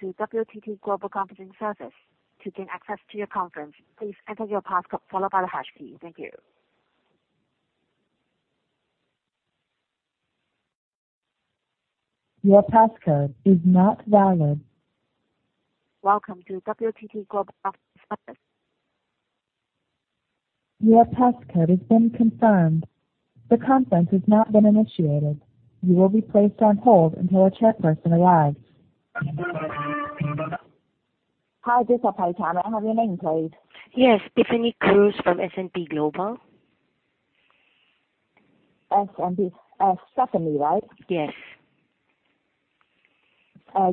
This is WTT Global Conferencing Service. To gain access to your conference, please enter your passcode followed by the hash key. Thank you. Your passcode is not valid. Welcome to WTT Global Conferencing Service. Your passcode has been confirmed. The conference has not been initiated. You will be placed on hold until a tech person arrives. Hi, this is PetroChina. May I have your name, please? Yes. Tiffany Cruz from S&P Global. S&P Tiffany, right? Yes.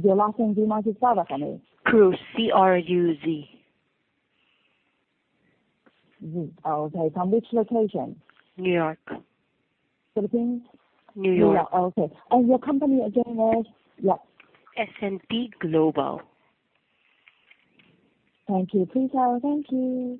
Your last name, do you know how it's spelled for me? Cruz, C-R-U-Z. Okay. From which location? New York. Philippines? New York. New York. Okay. And your company again is? Yes. S&P Global. Thank you. Please have a thank you.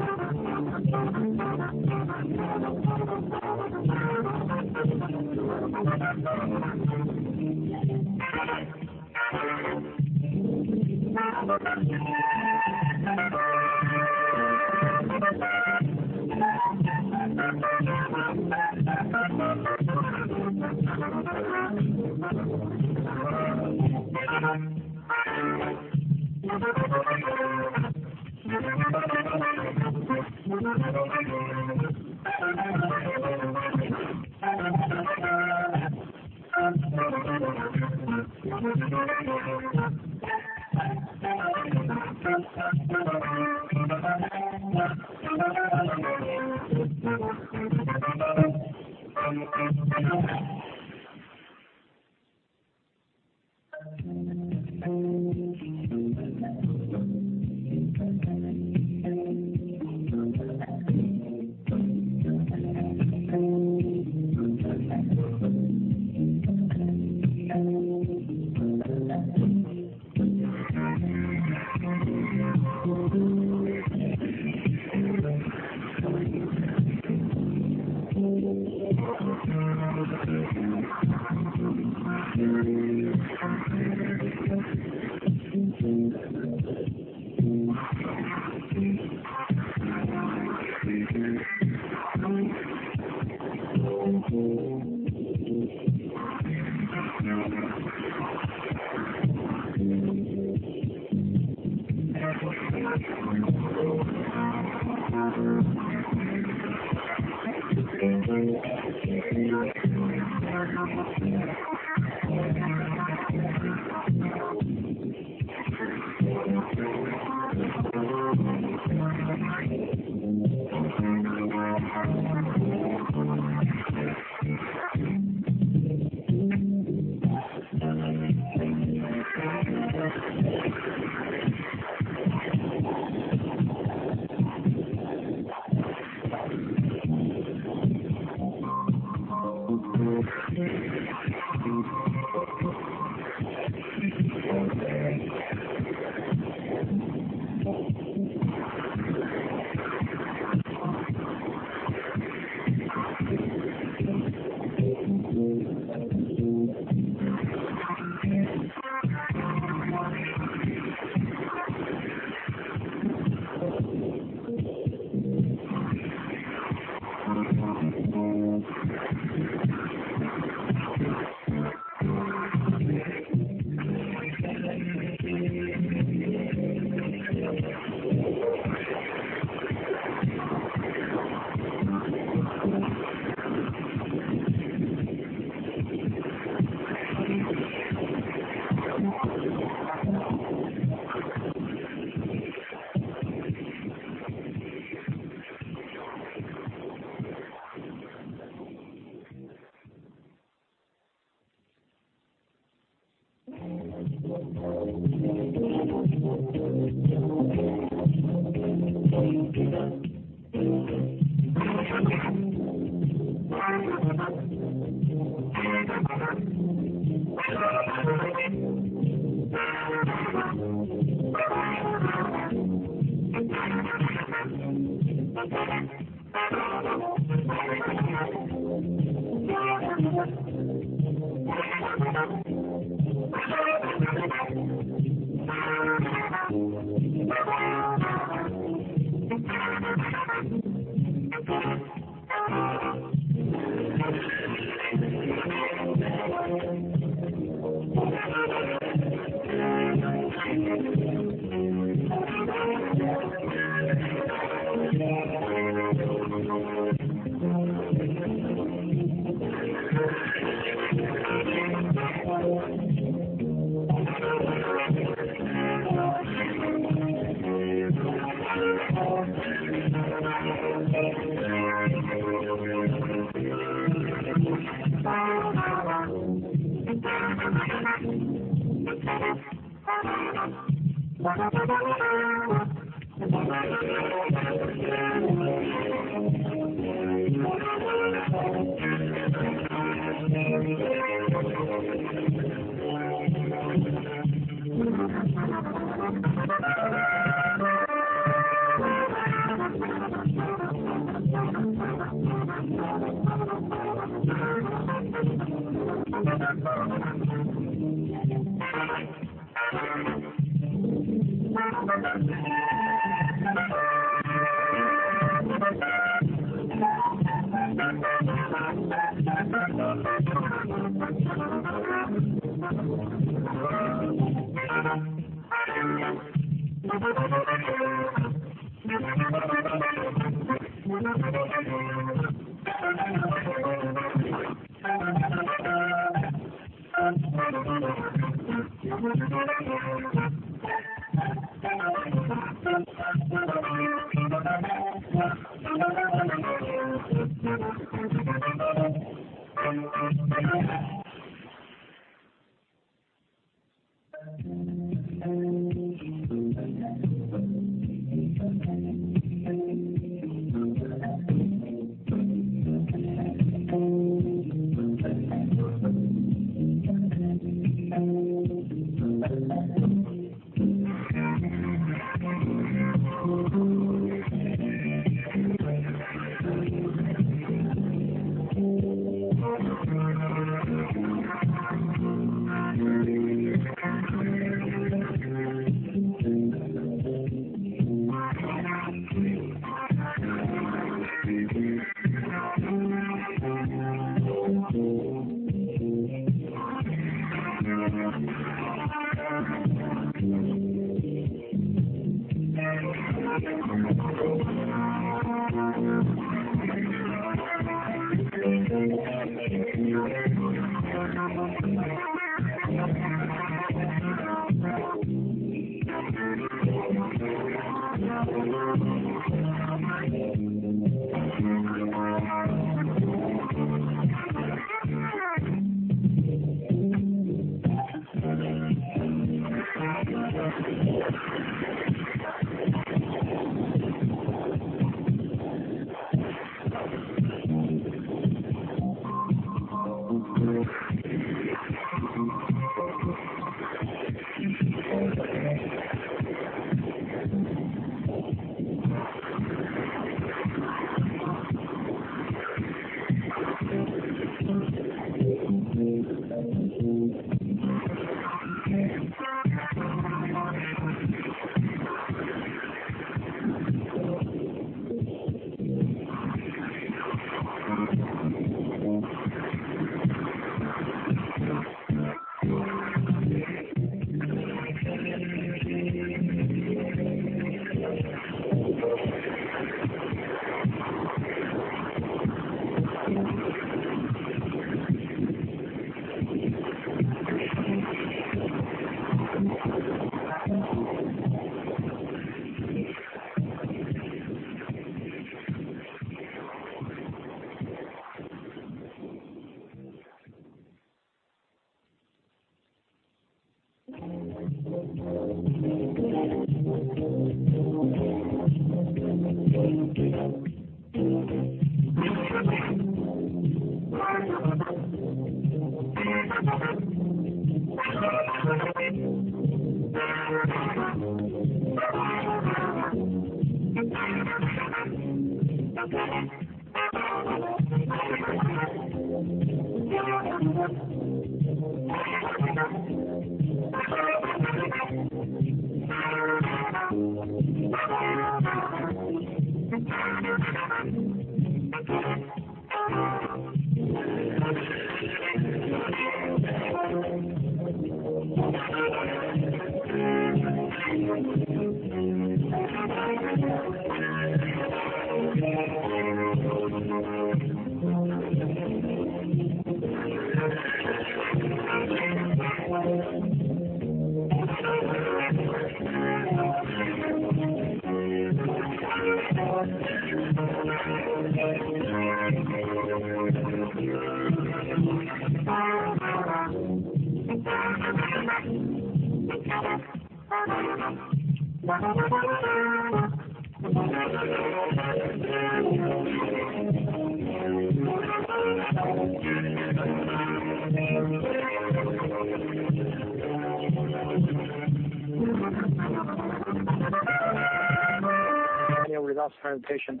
Okay. Yeah, we're just trying to finish.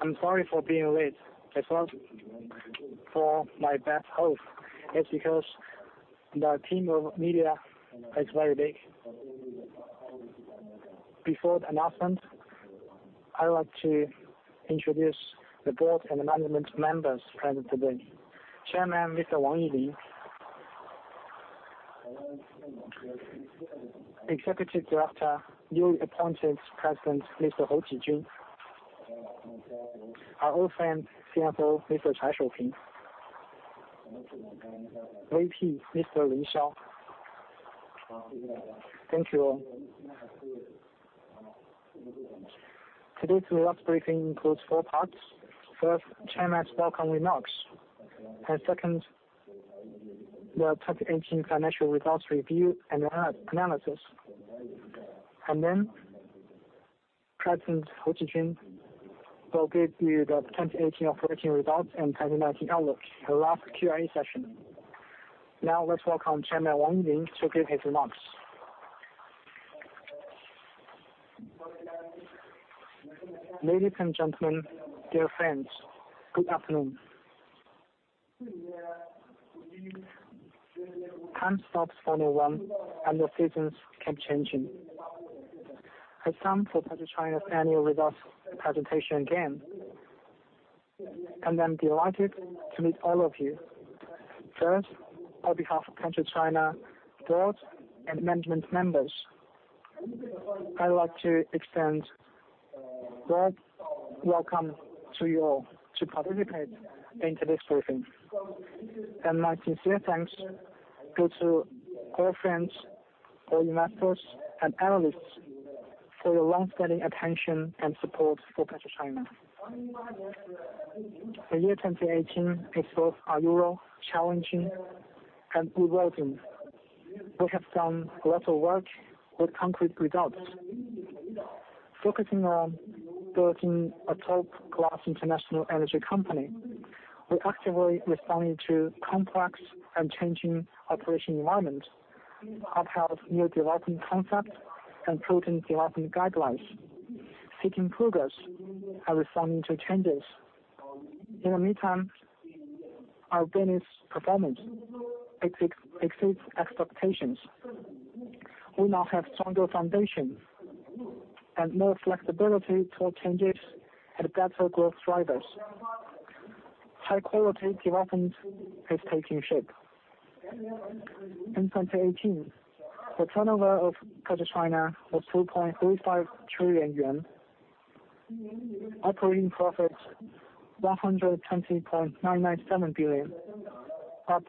I'm sorry for being late. It's not for my bad health. It's because the team of media is very big. Before the announcement, I would like to introduce the board and the management members present today. Chairman, Mr. Wang Yilin; Executive Director, newly appointed President, Mr. Hou Qijun; our old friend, CFO, Mr. Chai Shouping; VP, Mr. Ling Xiao. Thank you all. Today's last briefing includes four parts. First, Chairman's welcome remarks; and second, the 2018 financial results review and analysis; and then, President Hou Qijun will give you the 2018 operating results and 2019 outlook, a last Q&A session. Now, let's welcome Chairman Wang Yilin to give his remarks. Ladies and gentlemen, dear friends, good afternoon. Time stops for no one, and the seasons keep changing. It's time for PetroChina's annual results presentation again, and I'm delighted to meet all of you. First, on behalf of PetroChina board and management members, I'd like to extend a warm welcome to you all to participate in today's briefing. And my sincere thanks go to all friends, all investors, and analysts for your long-standing attention and support for PetroChina. The year 2018 is both a heroic, challenging, and rewarding. We have done a lot of work with concrete results. Focusing on building a top-class international energy company, we actively responded to complex and changing operating environments, upheld new development concepts and proven development guidelines, seeking progress and responding to changes. In the meantime, our business performance exceeds expectations. We now have a stronger foundation and more flexibility toward changes and better growth drivers. High-quality development is taking shape. In 2018, the turnover of PetroChina was 3.35 trillion yuan, operating profit 120.997 billion, up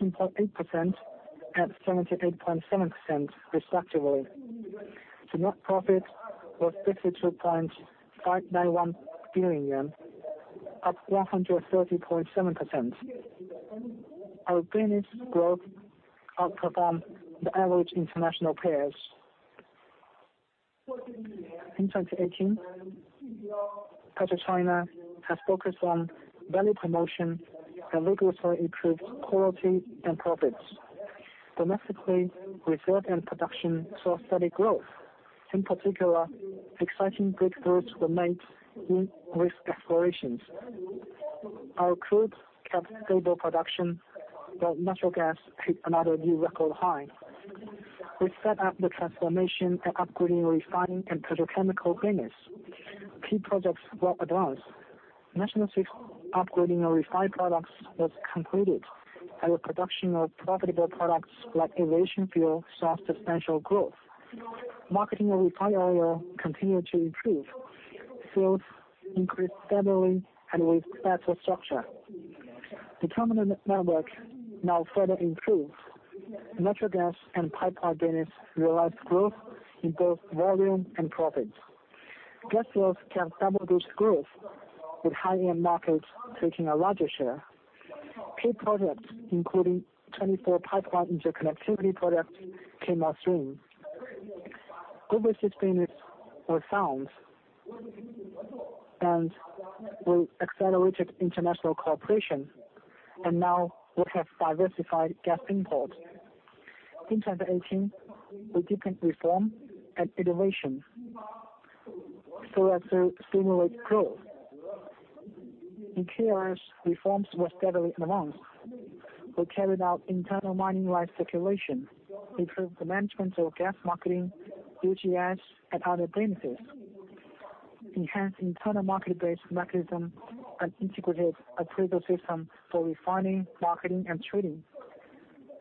16.8% and 78.7%, respectively. The net profit was CNY 52.591 billion, up 130.7%. Our business growth outperformed the average international peers. In 2018, PetroChina focused on value promotion and realizing improved quality and profits. Domestically, reserves and production saw steady growth. In particular, exciting breakthroughs were made in risk explorations. Our group kept stable production, while natural gas hit another new record high. We set about the transformation and upgrading of the refining and petrochemical business. Key projects were advanced. National VI upgrading of refined products was completed, and the production of profitable products like aviation fuel saw substantial growth. Marketing of refined oil continued to improve. Sales increased steadily and with better structure. The terminal network now further improved. Natural gas and pipeline business realized growth in both volume and profits. Gas fields kept double-digit growth, with high-end markets taking a larger share. Key projects, including 24 pipeline interconnectivity projects, came on stream. Over 16 years we found, and we accelerated international cooperation, and now we have diversified gas imports. In 2018, we deepened reform and innovation so as to stimulate growth. In key areas, reforms were steadily advanced. We carried out internal mining rights circulation, improved the management of gas marketing, UGS, and other businesses, enhanced internal market-based mechanism, and integrated a critical system for refining, marketing, and trading,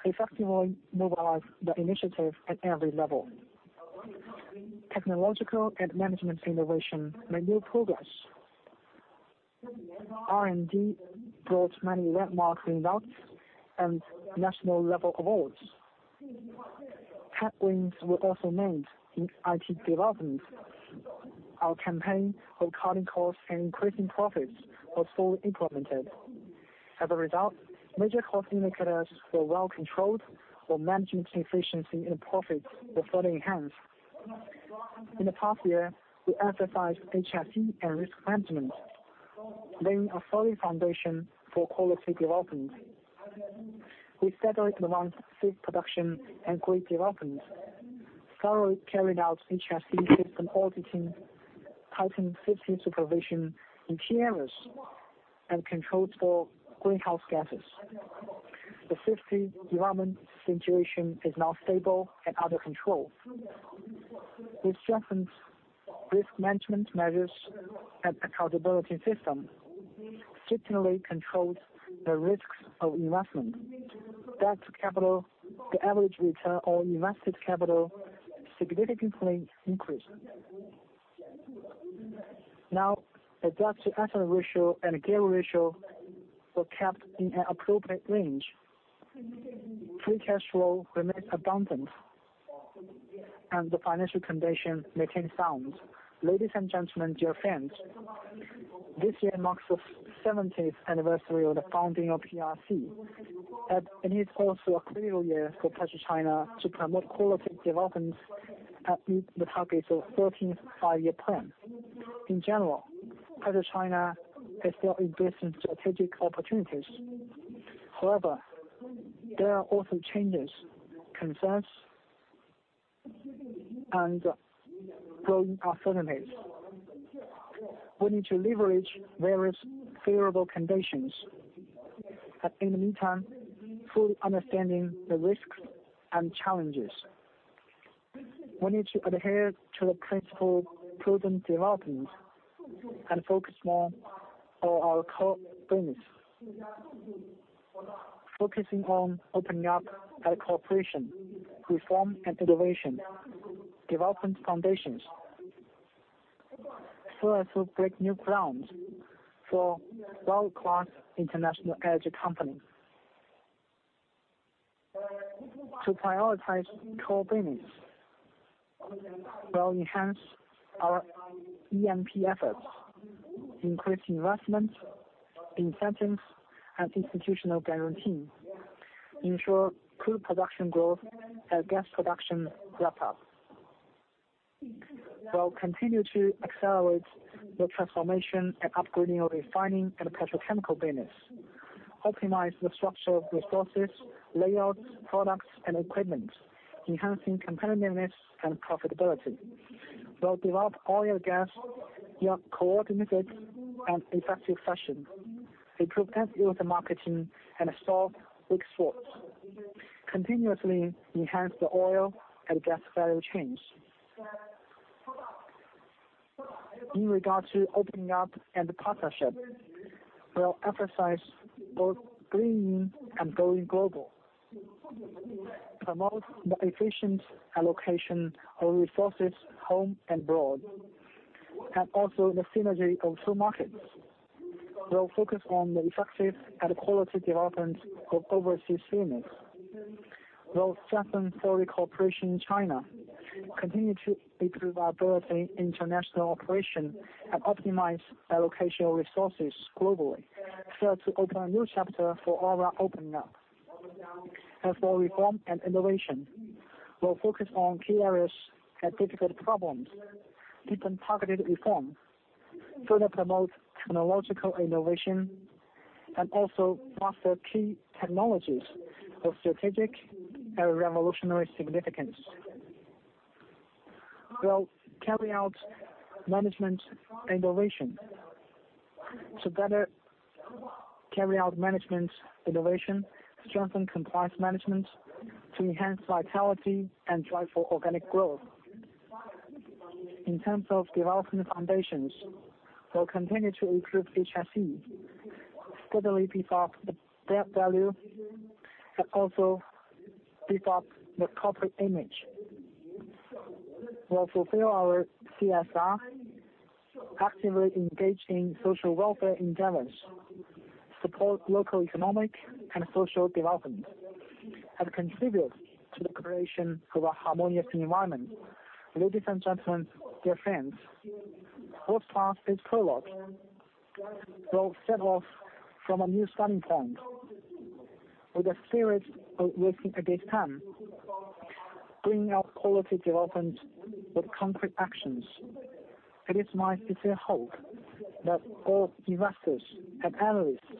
effectively mobilizing the initiative at every level. Technological and management innovation made new progress. R&D brought many landmark results and national-level awards. Patents were also obtained in IT development. Our campaign for cutting costs and increasing profits was fully implemented. As a result, major cost indicators were well controlled, while management efficiency and profits were further enhanced. In the past year, we emphasized HSE and risk management, laying a solid foundation for quality development. We steadily advanced safe production and great development, thoroughly carried out HSE system auditing, tightened safety supervision in key areas, and controlled for greenhouse gases. The safety development situation is now stable and under control. We strengthened risk management measures and accountability system, strictly controlled the risks of investment. Debt-to-capital, the average return on invested capital, significantly increased. Now, the debt-to-asset ratio and gearing ratio were kept in an appropriate range. Free cash flow remains abundant, and the financial condition remains sound. Ladies and gentlemen, dear friends, this year marks the 70th anniversary of the founding of PRC, and it is also a critical year for PetroChina to promote quality developments and meet the targets of the 13th Five-Year Plan. In general, PetroChina is still embracing strategic opportunities. However, there are also changes, concerns, and growing uncertainties. We need to leverage various favorable conditions and, in the meantime, fully understand the risks and challenges. We need to adhere to the principle of proven development and focus more on our core business, focusing on opening up our cooperation, reform, and innovation development foundations so as to break new ground for world-class international energy company. To prioritize core business, we'll enhance our E&P efforts, increase investment in settings and institutional guarantee, ensure good production growth, and gas production ramp-up. We'll continue to accelerate the transformation and upgrading of refining and petrochemical business, optimize the structure of resources, layouts, products, and equipment, enhancing competitiveness and profitability. We'll develop oil and gas in a coordinated and effective fashion, improve network marketing, and solve weak spots, continuously enhance the oil and gas value chains. In regard to opening up and partnership, we'll emphasize both bringing in and going global, promote the efficient allocation of resources home and abroad, and also the synergy of two markets. We'll focus on the effective and quality development of overseas business. We'll strengthen fully cooperation in China, continue to improve our bilateral international operation, and optimize allocation of resources globally so as to open a new chapter for our opening up. For reform and innovation, we'll focus on key areas and difficult problems, deepen targeted reform, further promote technological innovation, and also master key technologies of strategic and revolutionary significance. We'll carry out management innovation to better carry out management innovation, strengthen compliance management to enhance vitality and drive for organic growth. In terms of development foundations, we'll continue to improve HSE, steadily beef up the brand value, and also beef up the corporate image. We'll fulfill our CSR, actively engage in social welfare endeavors, support local economic and social development, and contribute to the creation of a harmonious environment. Ladies and gentlemen, dear friends. The past is prologue. We'll set off from a new starting point. With the spirit of risk-taking at this time, bringing out quality development with concrete actions. It is my sincere hope that all investors and analysts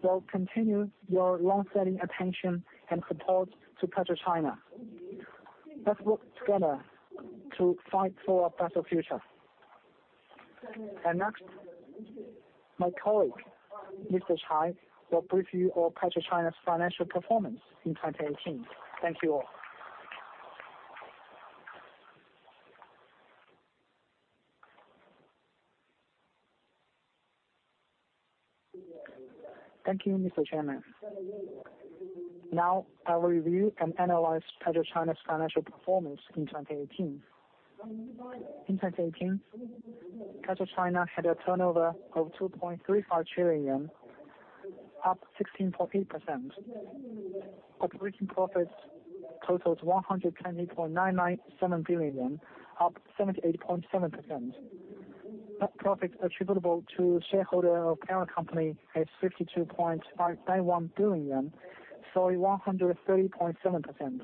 will continue your long-standing attention and support to PetroChina. Let's work together to fight for a better future. And next, my colleague, Mr. Chai, will brief you on PetroChina's financial performance in 2018. Thank you all. Thank you, Mr. Chairman. Now, I will review and analyze PetroChina's financial performance in 2018. In 2018, PetroChina had a turnover of 2.35 trillion, up 16.8%. Operating profits totaled CNY 120.997 billion, up 78.7%. Net profit attributable to shareholder of parent company is 52.91 billion, so 130.7%.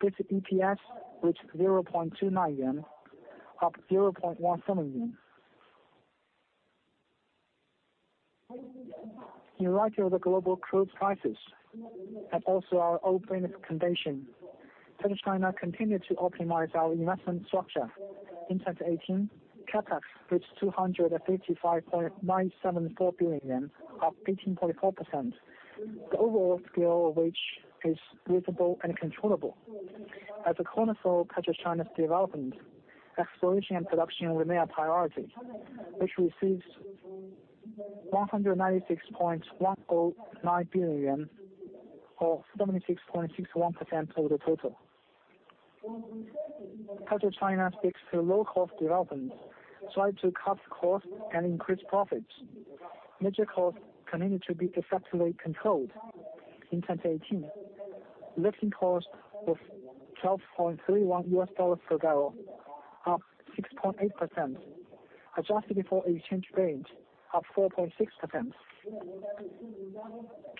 basic EPS reached CNY0.29, up 0.17%. In light of the global crude crisis and also our opening condition, PetroChina continued to optimize our investment structure. In 2018, CapEx reached CNY255.974 billion, up 18.4%. The overall scale of which is reasonable and controllable. As a cornerstone of PetroChina's development, exploration and production remain a priority, which receives 196.109 billion, or 76.61% of the total. PetroChina sticks to low-cost development, strives to cut costs and increase profits. Major costs continue to be effectively controlled. In 2018, lifting costs was CNY12.31 per barrel, up 6.8%, adjusted for exchange rate, up 4.6%.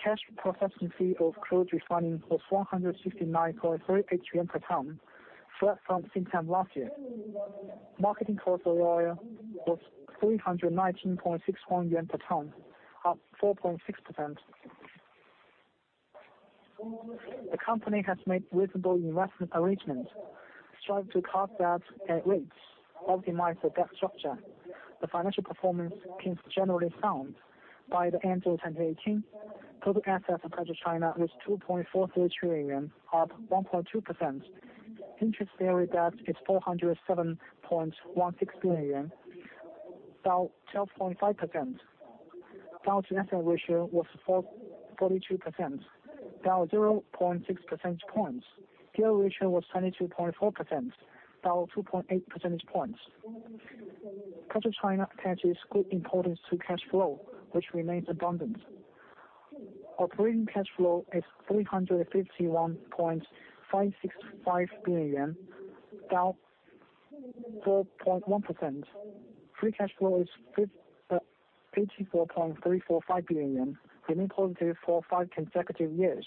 Cash processing fee of crude refining was 169.38 yuan per ton, flat from same time last year. Marketing cost of oil was 319.61 yuan per ton, up 4.6%. The company has made reasonable investment arrangements, strived to cut debt and rates, optimize the debt structure. The financial performance came generally sound by the end of 2018. Total assets of PetroChina was 2.43 trillion, up 1.2%. Interest-bearing debt is 407.16 billion, down 12.5%. debt-to-asset ratio was 42%, down 0.6 percentage points. gearing ratio was 72.4%, down 2.8 percentage points. PetroChina attaches good importance to cash flow, which remains abundant. Operating cash flow is 351.565 billion, down 4.1%. Free cash flow is 84.345 billion, remained positive for five consecutive years.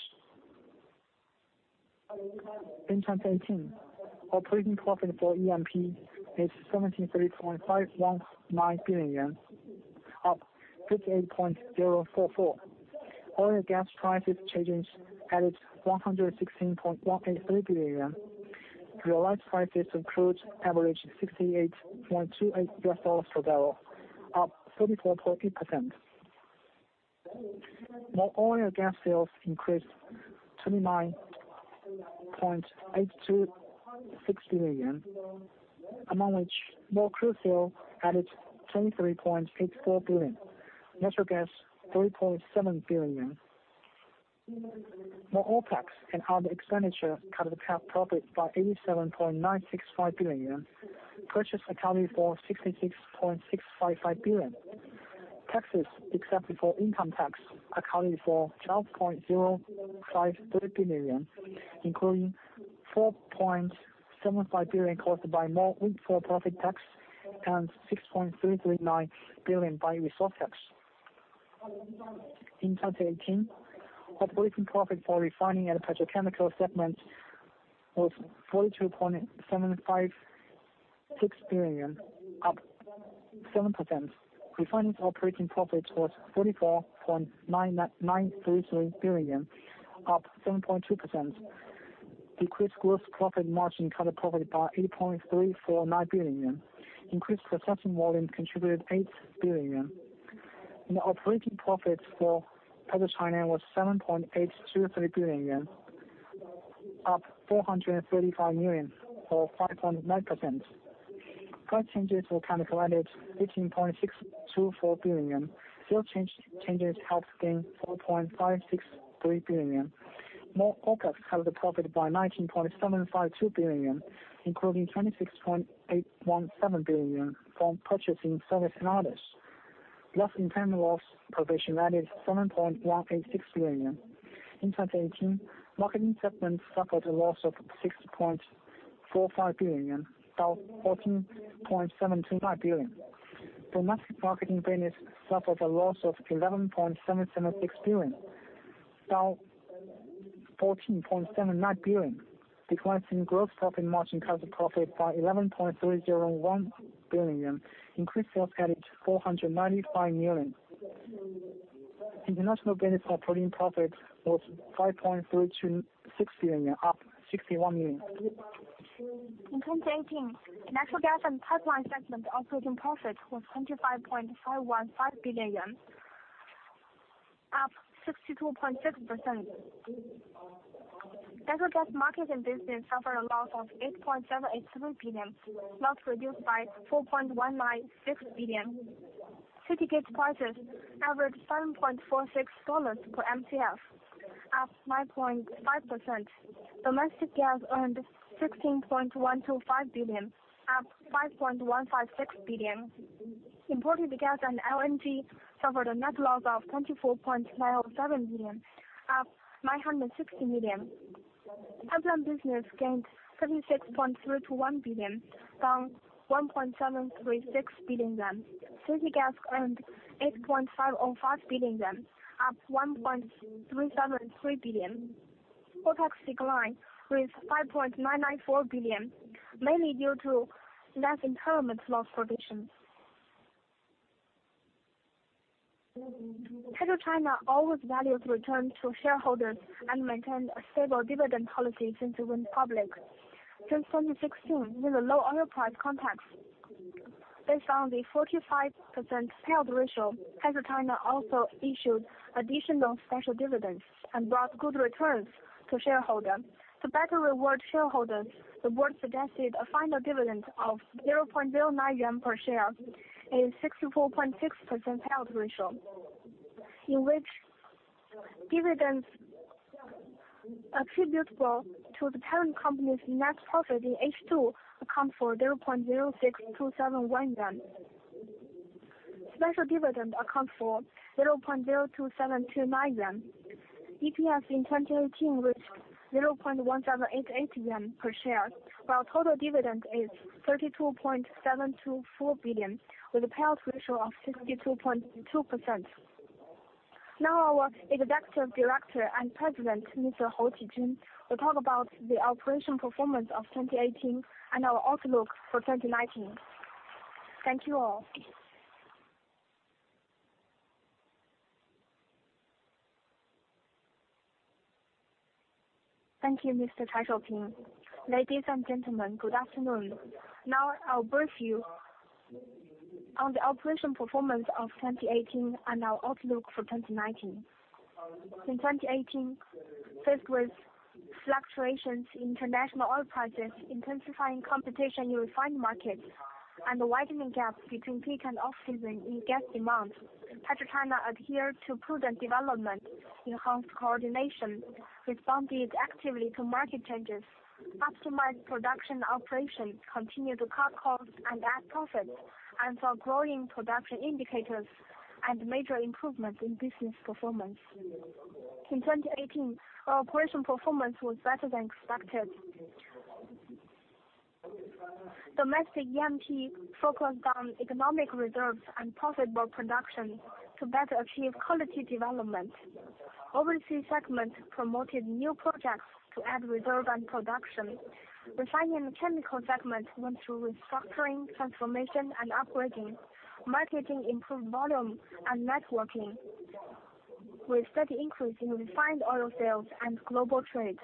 In 2018, operating profit for E&P is 73.519 billion yuan, up 58.044. Oil and gas prices changes added 116.183 billion. Realized prices of crude averaged $68.28 per barrel, up 34.8%. More oil and gas sales increased 29.826 billion, among which more crude sales added 23.84 billion, natural gas 3.7 billion. More OpEx and other expenditure cut the past profit by 87.965 billion, purchase accounted for 66.655 billion. Taxes except for income tax accounted for 12.053 billion, including 4.75 billion caused by more windfall profit tax and 6.339 billion by resource tax. In 2018, operating profit for refining and petrochemical segment was 42.756 billion, up 7%. Refining's operating profit was 44.933 billion, up 7.2%. Decreased gross profit margin cut the profit by 8.349 billion yuan. Increased processing volume contributed 8 billion yuan. The operating profit for PetroChina was 7.823 billion yuan, up 435 million, or 5.9%. Price changes for chemical added 15.624 billion yuan. Sales changes helped gain 4.563 billion. More OpEx cut the profit by 19.752 billion, including 26.817 billion from purchasing, service, and others. Loss in terminal loss provision added 7.186 billion. In 2018, marketing segment suffered a loss of 6.45 billion, down 14.729 billion. Domestic marketing business suffered a loss of 11.776 billion, down 14.79 billion. Declines in gross profit margin cut the profit by 11.301 billion. Increased sales added 495 million. International business operating profit was 5.326 billion, up 61 million. In 2018, natural gas and pipeline segment operating profit was 25.515 billion, up 62.6%. Natural gas marketing business suffered a loss of 8.783 billion, most reduced by 4.196 billion. City gas prices averaged CNY 7.46 per Mcf, up 9.5%. Domestic gas earned 16.125 billion, up 5.156 billion. Imported gas and LNG suffered a net loss of 24.907 billion, up 960 million. Pipeline business gained 76.321 billion, down CNY 1.736 billion. City gas earned CNY 8.505 billion, up 1.373 billion. OpEx declined with 5.994 billion, mainly due to net impairment loss provision. PetroChina always values return to shareholders and maintained a stable dividend policy since it went public. Since 2016, in the low oil price context, based on the 45% payout ratio, PetroChina also issued additional special dividends and brought good returns to shareholders. To better reward shareholders, the board suggested a final dividend of 0.09 yuan per share in a 64.6% payout ratio, in which dividends attributable to the parent company's net profit in H2 account for 0.06271. Special dividend account for 0.02729. EPS in 2018 reached CNY 0.1788 per share, while total dividend is 32.724 billion, with a payout ratio of 62.2%. Now, our Executive Director and President, Mr. Hou Qijun, will talk about the operational performance of 2018 and our outlook for 2019. Thank you all. Thank you, Mr. Chai Shouping. Ladies and gentlemen, good afternoon. Now, I'll brief you on the operational performance of 2018 and our outlook for 2019. In 2018, faced with fluctuations in international oil prices, intensifying competition in refined markets, and the widening gap between peak and off-season in gas demand, PetroChina adhered to prudent development, enhanced coordination, responded actively to market changes, optimized production operations, continued to cut costs and add profits, and saw growing production indicators and major improvements in business performance. In 2018, our operation performance was better than expected. Domestic E&P focused on economic reserves and profitable production to better achieve quality development. Overseas segment promoted new projects to add reserve and production. Refining and chemical segment went through restructuring, transformation, and upgrading. Marketing improved volume and networking, with steady increase in refined oil sales and global trade.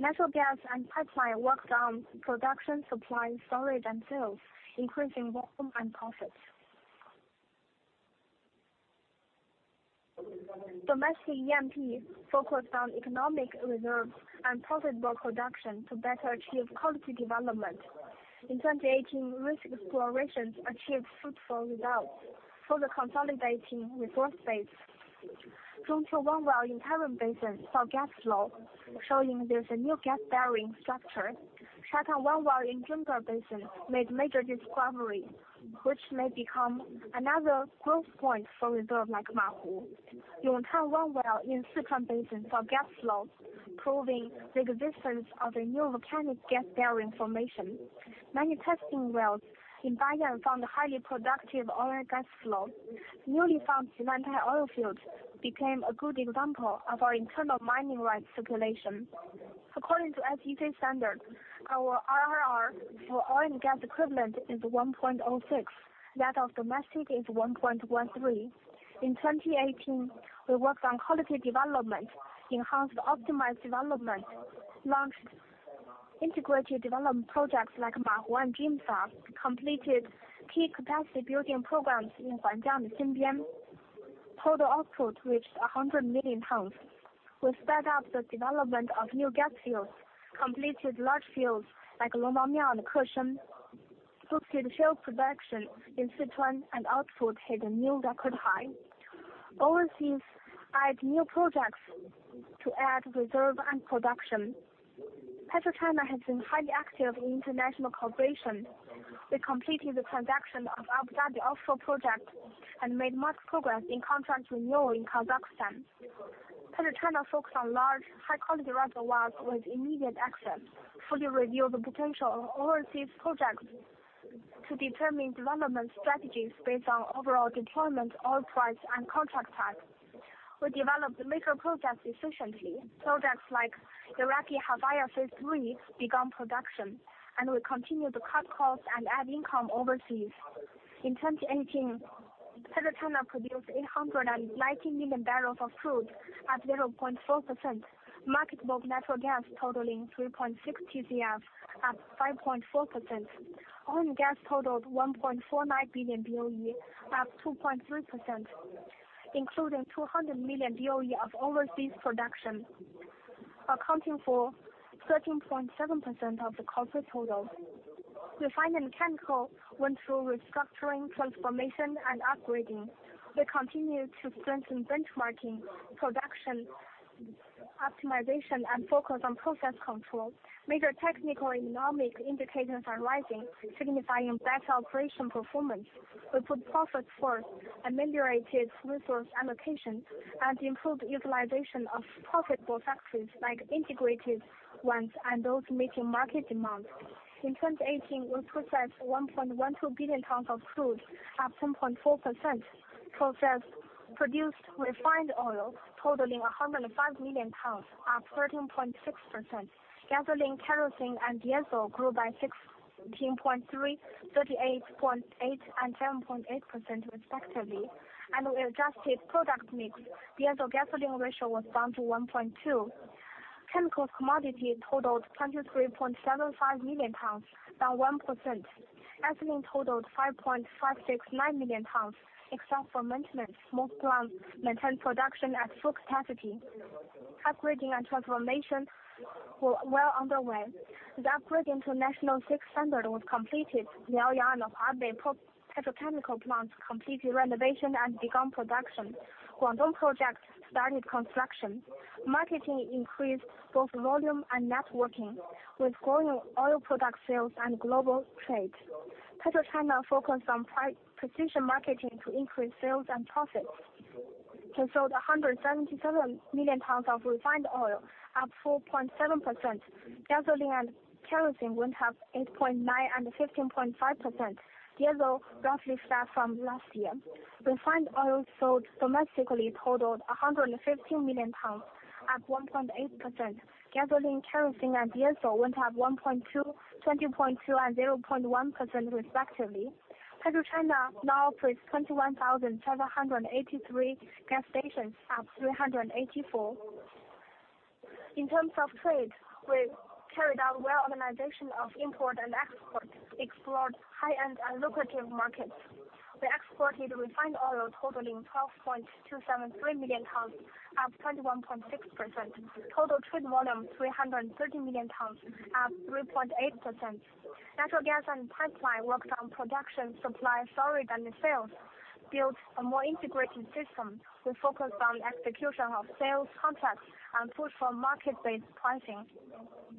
Natural gas and pipeline worked on production, supply, storage, and sales, increasing volume and profits. Domestic E&P focused on economic reserves and profitable production to better achieve quality development. In 2018, risk explorations achieved fruitful results further consolidating resource base. Zhongqiu 1 in Tarim Basin saw gas flow, showing there's a new gas bearing structure. Shawan in Junggar Basin made major discovery, which may become another growth point for reserves like Mahu. Yongtan 1 in Sichuan Basin saw gas flow, proving the existence of a new volcanic gas bearing formation. Many testing wells in Bayan found a highly productive oil and gas flow. Newly found Jilantai oil field became a good example of our internal mining rights circulation. According to SEC standard, our RRR for oil and gas equivalent is 1.06. That of domestic is 1.13. In 2018, we worked on quality development, enhanced optimized development, launched integrated development projects like Mahu and Jinsha, completed key capacity building programs in Guang'an, Xinbei. Total output reached 100 million. We sped up the development of new gas fields, completed large fields like Longwangmiao and Keshen. Boosted shale production in Sichuan, and output hit a new record high. Overseas added new projects to add reserve and production. PetroChina has been highly active in international cooperation. We completed the transaction of Abu Dhabi offshore project and made marked progress in contract renewal in Kazakhstan. PetroChina focused on large, high-quality reservoirs with immediate access. Fully reveal the potential of overseas projects to determine development strategies based on overall deployment, oil price, and contract type. We developed major projects efficiently. Projects like Iraqi Halfaya Phase III began production, and we continued to cut costs and add income overseas. In 2018, PetroChina produced 890 million barrels of crude, up 0.4%. Marketed natural gas totaling 3.6 TCF, up 5.4%. Oil and gas totaled 1.49 billion BOE, up 2.3%, including 200 million BOE of overseas production, accounting for 13.7% of the overall total. Refining and chemical went through restructuring, transformation, and upgrading. We continue to strengthen benchmarking, production optimization, and focus on process control. Major technical economic indicators are rising, signifying better operation performance. We put profits first, ameliorated resource allocation, and improved utilization of profitable factories like integrated ones and those meeting market demand. In 2018, we processed 1.12 billion of crude, up 1.4%. We produced refined oil totaling 105 million, up 13.6%. Gasoline, kerosene, and diesel grew by 16.3%, 38.8%, and 7.8% respectively. We adjusted product mix. Diesel gasoline ratio was down to 1.2. Chemical commodity totaled 23.75 million, down 1%. Gasoline totaled 5.569 million, except for maintenance. Most plants maintained production at full capacity. Upgrading and transformation were well underway. The upgrade into National VI standard was completed. Liaoyang and Huabei Petrochemical Plants completed renovation and began production. Guangdong project started construction. Marketing increased both volume and networking, with growing oil product sales and global trade. PetroChina focused on precision marketing to increase sales and profits. They sold 177 million of refined oil, up 4.7%. Gasoline and kerosene went up 8.9% and 15.5%. Diesel roughly fell from last year. Refined oil sold domestically totaled 115 million, up 1.8%. Gasoline, kerosene, and diesel went up 1.2%, 20.2%, and 0.1% respectively. PetroChina now operates 21,783 gas stations, up 384. In terms of trade, we carried out well organization of import and export, explored high-end and lucrative markets. We exported refined oil totaling 12.273 million, up 21.6%. Total trade volume 330 million, up 3.8%. Natural gas and pipeline worked on production, supply, storage, and sales, built a more integrated system. We focused on execution of sales contracts and pushed for market-based pricing.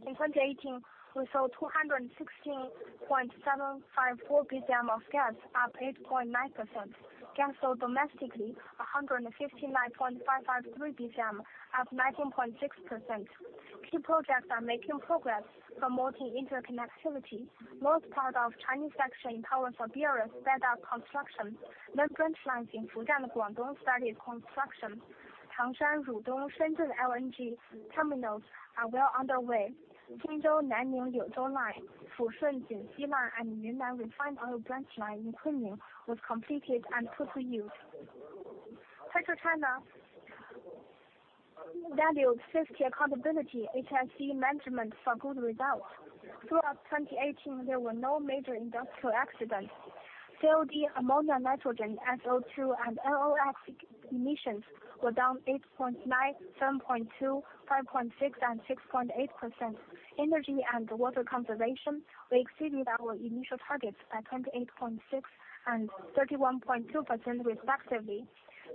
In 2018, we sold 216.754 billion of gas, up 8.9%. Gas sold domestically 159.553 billion, up 19.6%. Key projects are making progress, promoting interconnectivity. North part of Chinese section in Power of Siberia has sped up construction. New branch lines in Fujian, Guangdong started construction. Tangshan, Rudong, Shenzhen LNG terminals are well underway. Jingzhou, Nanning, Liuzhou line, Fushun, Jinxi line, and Yunnan refined oil branch line in Kunming were completed and put to use. PetroChina valued safety accountability HSE management for good results. Throughout 2018, there were no major industrial accidents. COD, ammonia, nitrogen, SO2, and NOx emissions were down 8.9%, 7.2%, 5.6%, and 6.8%. Energy and water conservation, we exceeded our initial targets by 28.6% and 31.2% respectively.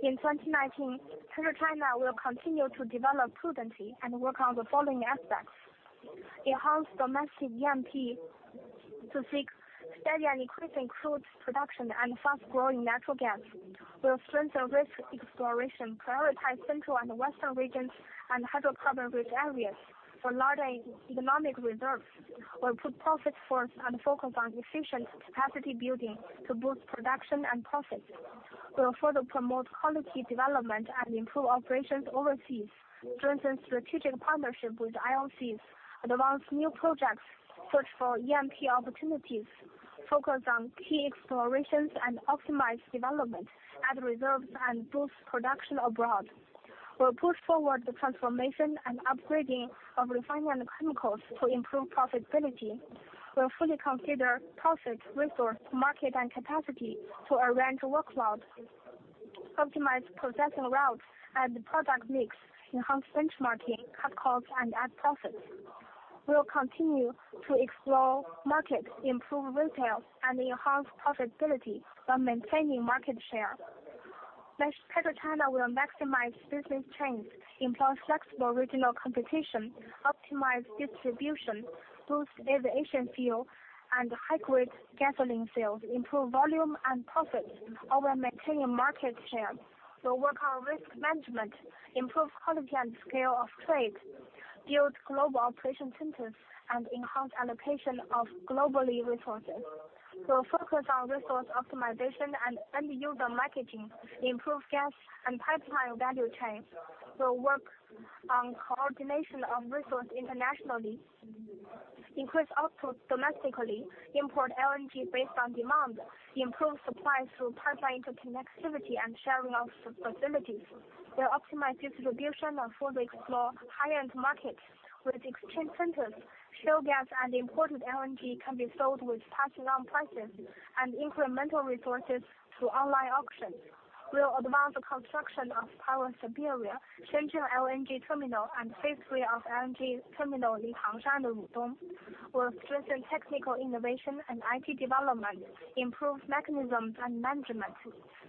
In 2019, PetroChina will continue to develop prudently and work on the following aspects: enhance domestic E&P to seek steady and increasing crude production and fast-growing natural gas. We will strengthen risk exploration, prioritize central and western regions, and hydrocarbon-rich areas for large economic reserves. We will put profits first and focus on efficient capacity building to boost production and profits. We will further promote quality development and improve operations overseas, strengthen strategic partnerships with IOCs, advance new projects, search for E&P opportunities, focus on key explorations, and optimize development, add reserves, and boost production abroad. We will push forward the transformation and upgrading of refining and chemicals to improve profitability. We will fully consider profit, resource, market, and capacity to arrange workload, optimize processing routes, add product mix, enhance benchmarking, cut costs, and add profits. We will continue to explore markets, improve retail, and enhance profitability while maintaining market share. PetroChina will maximize business chains, employ flexible regional competition, optimize distribution, boost aviation fuel, and high-grade gasoline sales, improve volume and profits while maintaining market share. We will work on risk management, improve quality and scale of trade, build global operation centers, and enhance allocation of global resources. We will focus on resource optimization and end-user marketing, improve gas and pipeline value chains. We will work on coordination of resources internationally, increase output domestically, import LNG based on demand, improve supply through pipeline interconnectivity and sharing of facilities. We will optimize distribution and further explore high-end markets with exchange centers. Shale gas and imported LNG can be sold with passing on prices and incremental resources through online auctions. We will advance the construction of Power of Siberia, Shenzhen LNG terminal, and phase III of LNG terminal in Tangshan and Rudong. We will strengthen technical innovation and IT development, improve mechanisms and management.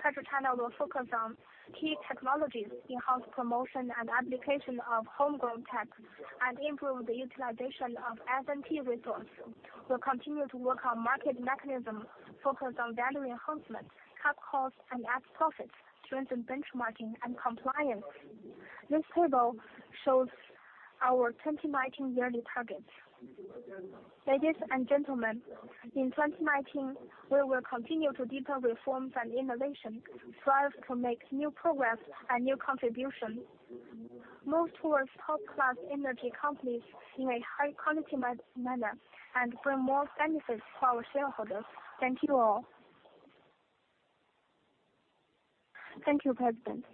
PetroChina will focus on key technologies, enhance promotion and application of homegrown tech, and improve the utilization of S&T resources. We will continue to work on market mechanisms, focus on value enhancement, cut costs, and add profits, strengthen benchmarking and compliance. This table shows our 2019 yearly targets. Ladies and gentlemen, in 2019, we will continue to deepen reforms and innovation, strive to make new progress and new contributions, move towards top-class energy companies in a high-quality manner, and bring more benefits for our shareholders. Thank you all. Thank you, President.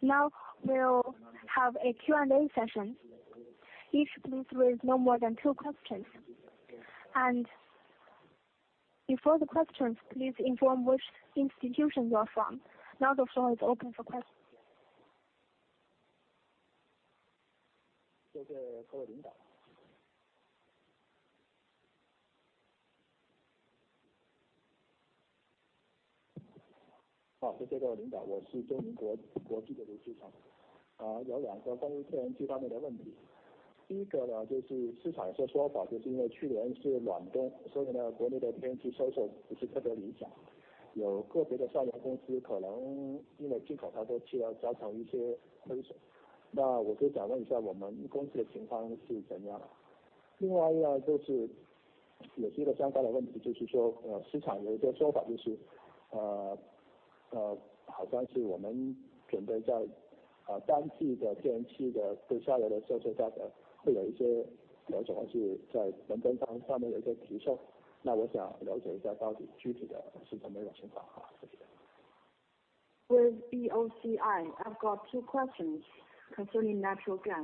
Now we'll have a Q&A session. Each please raise no more than two questions, and before the questions, please inform which institution you are from. Now the floor is open for questions. With BOCI, I've got two questions concerning natural gas.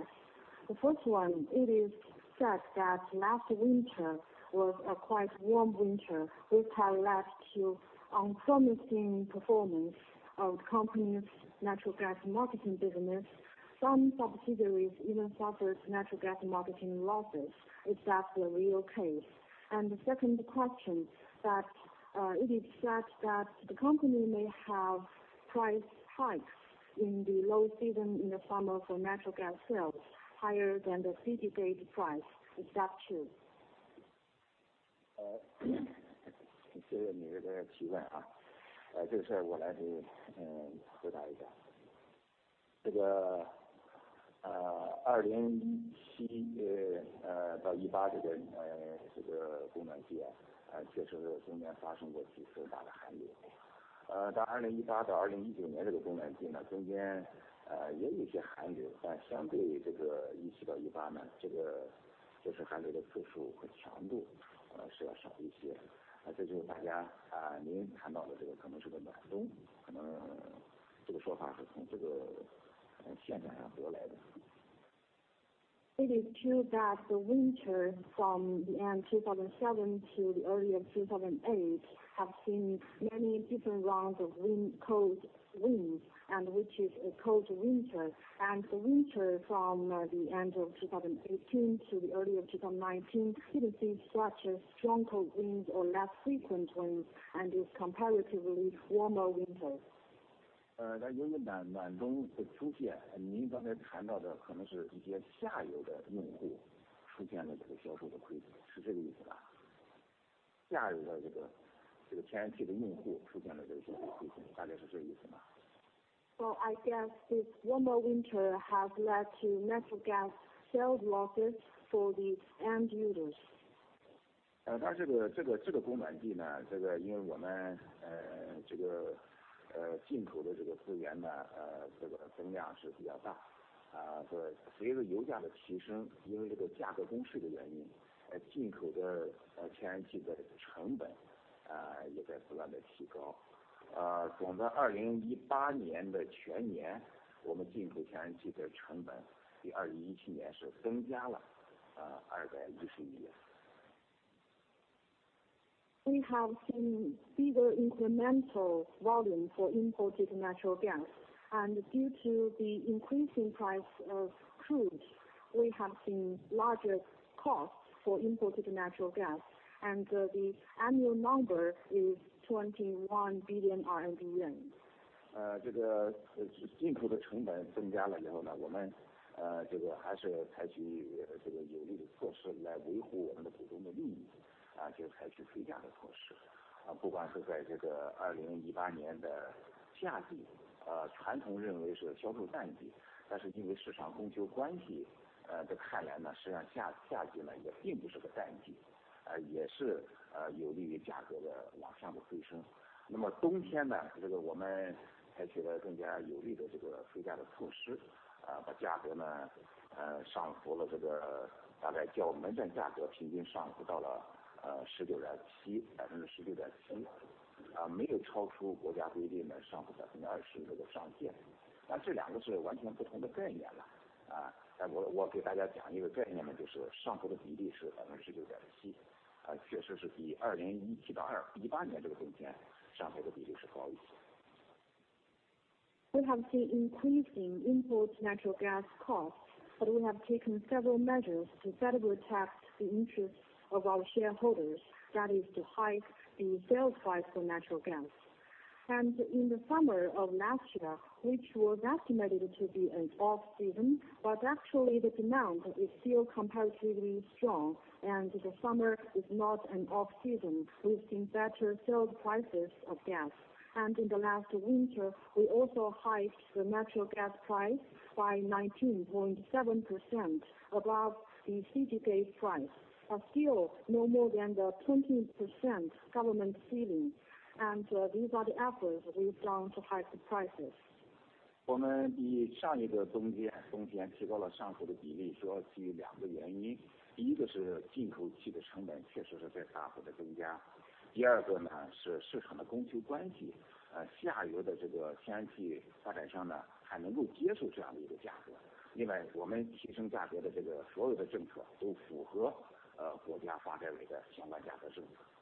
The first one, it is said that last winter was a quite warm winter, which has led to unpromising performance of the company's natural gas marketing business. Some subsidiaries even suffered natural gas marketing losses. Is that the real case? And the second question, that it is said that the company may have price hikes in the low season in the summer for natural gas sales, higher than the city gate price. Is that true? 谢谢你的提问。这个事我来回答一下。2017到2018这个供暖季确实是中间发生过几次大的寒流。到2018到2019年这个供暖季中间也有一些寒流，但相对于2017到2018，就是寒流的次数和强度是要少一些。这就是大家您谈到的可能是个暖冬，可能这个说法是从现象上得来的。It is true that the winter from the end of 2017 to the early of 2018 have seen many different rounds of cold winds, which is a cold winter. The winter from the end of 2018 to early 2019 didn't see such strong cold winds or less frequent winds, and it's a comparatively warmer winter. 那因为暖冬会出现，您刚才谈到的可能是一些下游的用户出现了销售的亏损，是这个意思吧？下游的天然气的用户出现了销售亏损，大概是这个意思吗？ I guess this warmer winter has led to natural gas sales losses for the end users. We have seen bigger incremental volume for imported natural gas, and due to the increasing price of crude, we have seen larger costs for imported natural gas, and the annual number is 21.1 billion RMB. 进口的成本增加了以后，我们还是采取有利的措施来维护我们的股东的利益，就是采取回价的措施。不管是在2018年的夏季，传统认为是销售淡季，但是因为市场供求关系的看来，实际上夏季也并不是个淡季，也是有利于价格的往上的推升。那么冬天我们采取了更加有力的回价的措施，把价格上浮了，大概叫门站价格平均上浮到了19.7%, 19.7%, 没有超出国家规定的上浮20%的上限。那这两个是完全不同的概念了。我给大家讲一个概念，就是上浮的比例是19.7%, 确实是比2017到2018年这个冬天上浮的比例是高一些。We have seen increasing imported natural gas costs, but we have taken several measures to better protect the interests of our shareholders, that is to hike the sales price for natural gas. In the summer of last year, which was estimated to be an off-season, but actually the demand is still comparatively strong, and the summer is not an off-season, we've seen better sales prices of gas. In the last winter, we also hiked the natural gas price by 19.7% above the city gate price, but still no more than the 20% government ceiling, and these are the efforts we've done to hike the prices. 我们比上一个冬天提高了上浮的比例，主要基于两个原因。第一个是进口气的成本确实是在大幅的增加。第二个是市场的供求关系，下游的天然气发展商还能够接受这样的一个价格。另外，我们提升价格的所有的政策都符合国家发改委的相关价格政策。The prices in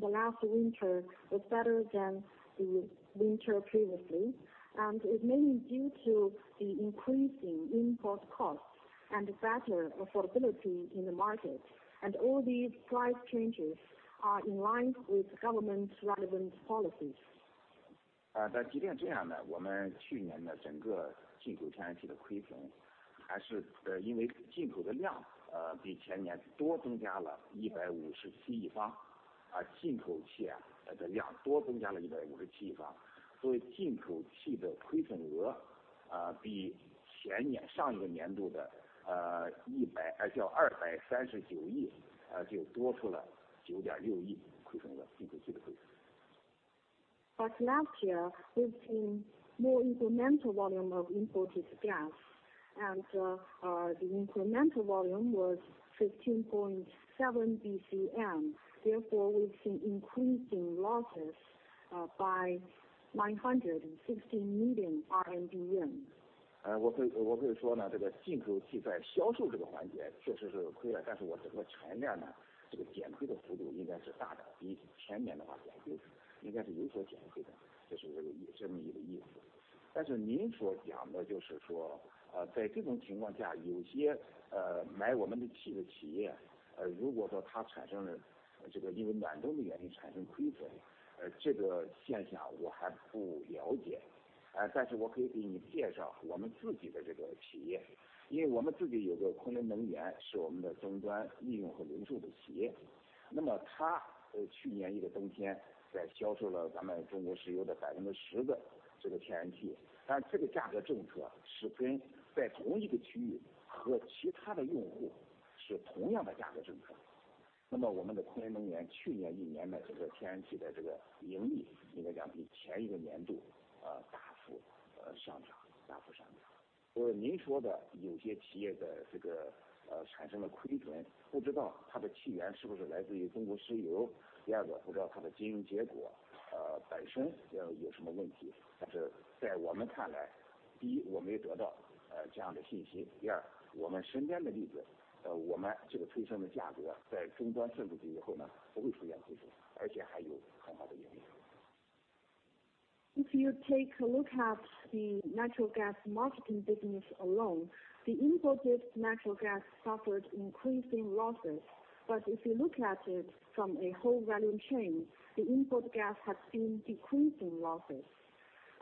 the last winter were better than the winter previously, and it's mainly due to the increasing import costs and better affordability in the market. All these price changes are in line with government relevant policies. 那即便这样，我们去年的整个进口天然气的亏损还是因为进口的量比前年多增加了157亿方，进口气的量多增加了157亿方。所以进口气的亏损额比前年上一个年度的239亿就多出了9.6亿亏损额，进口气的亏损。Last year, we've seen more incremental volume of imported gas, and the incremental volume was 15.7 BCM; therefore, we've seen increasing losses by 960 million RMB. If you take a look at the natural gas marketing business alone, the imported natural gas suffered increasing losses, but if you look at it from a whole value chain, the imported gas has seen decreasing losses,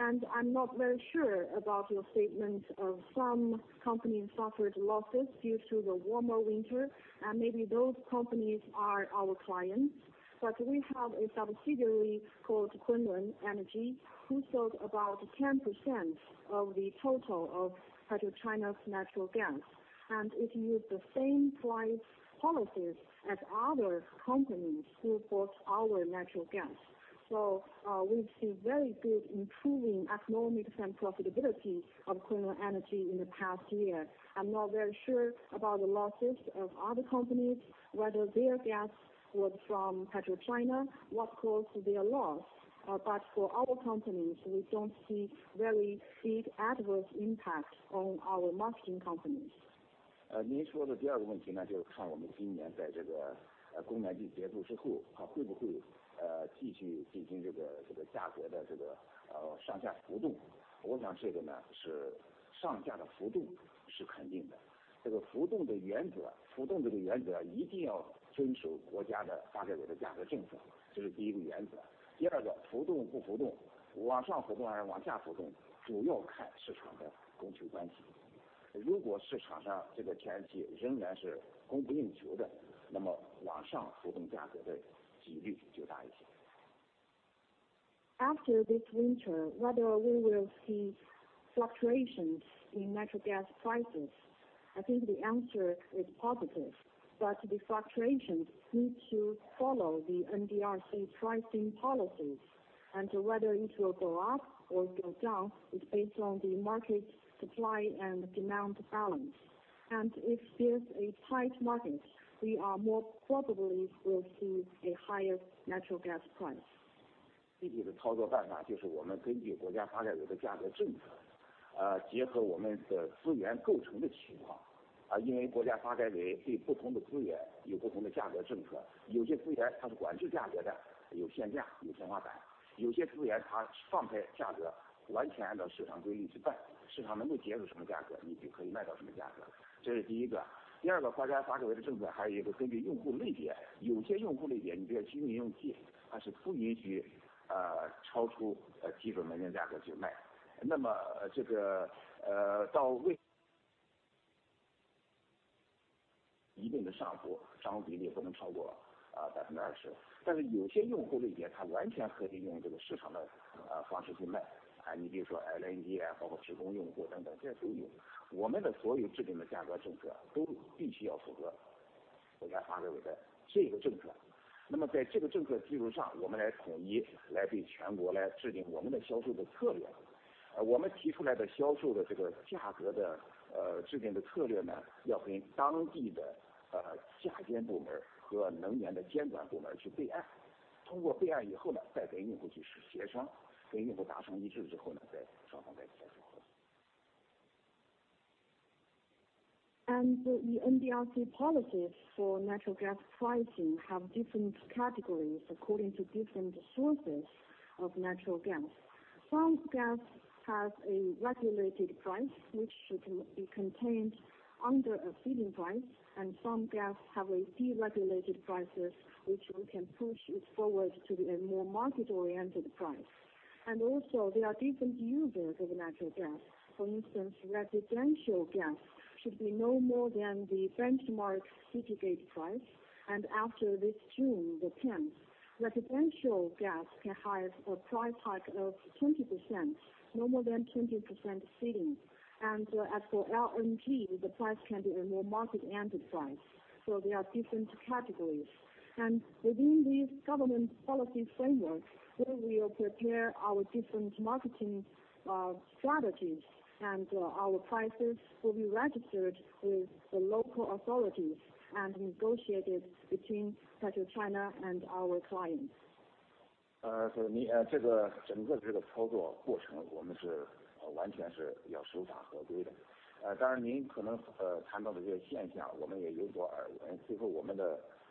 and I'm not very sure about your statement of some companies suffered losses due to the warmer winter, and maybe those companies are our clients. We have a subsidiary called Kunlun Energy who sold about 10% of the total of PetroChina's natural gas, and it used the same price policies as other companies who bought our natural gas. So we've seen very good improving economics and profitability of Kunlun Energy in the past year. I'm not very sure about the losses of other companies, whether their gas was from PetroChina or what caused their loss, but for our companies, we don't see very big adverse impacts on our marketing companies. 您说的第二个问题就是看我们今年在供暖季结束之后会不会继续进行价格的上下浮动。我想这个是上下的浮动是肯定的。浮动的原则，浮动这个原则一定要遵守国家的发改委的价格政策，这是第一个原则。第二个，浮动不浮动，往上浮动还是往下浮动，主要看市场的供求关系。如果市场上天然气仍然是供不应求的，那么往上浮动价格的几率就大一些。After this winter, whether we will see fluctuations in natural gas prices, I think the answer is positive, but the fluctuations need to follow the NDRC pricing policies, and whether it will go up or go down is based on the market supply and demand balance. And if there's a tight market, we are more probably will see a higher natural gas price. And the NDRC policies for natural gas pricing have different categories according to different sources of natural gas. Some gas has a regulated price, which should be contained under a ceiling price, and some gas have a deregulated price, which we can push it forward to be a more market-oriented price. And also, there are different users of natural gas. For instance, residential gas should be no more than the benchmark city gate price, and after this June, the 10th, residential gas can have a price hike of 20%, no more than 20% ceiling. And as for LNG, the price can be a more market-oriented price. So there are different categories. And within these government policy frameworks, we will prepare our different marketing strategies, and our prices will be registered with the local authorities and negotiated between China and our clients. 这个整个的操作过程我们是完全是要守法合规的。当然您可能谈到的这些现象我们也有所耳闻。最后我们的相关的省的天然气销售机构去了解了下游客户以后，这些客户都表示不知情。这个相关的情况到底是什么原因，我们还需要进一步的去了解和核实。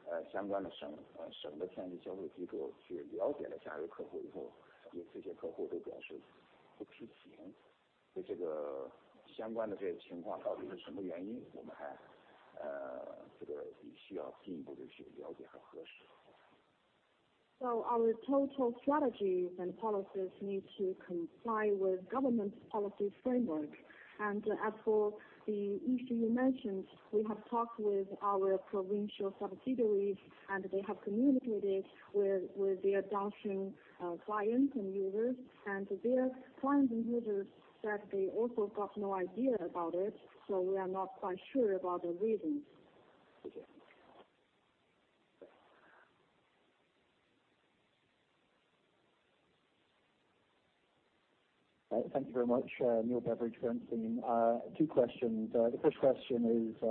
So our total strategies and policies need to comply with government policy frameworks. And as for the issue you mentioned, we have talked with our provincial subsidiaries, and they have communicated with their downstream clients and users. And their clients and users said they also got no idea about it, so we are not quite sure about the reasons. 谢谢。Thank you very much, Neil Beveridge from Sanford C. Bernstein. Two questions. The first question is,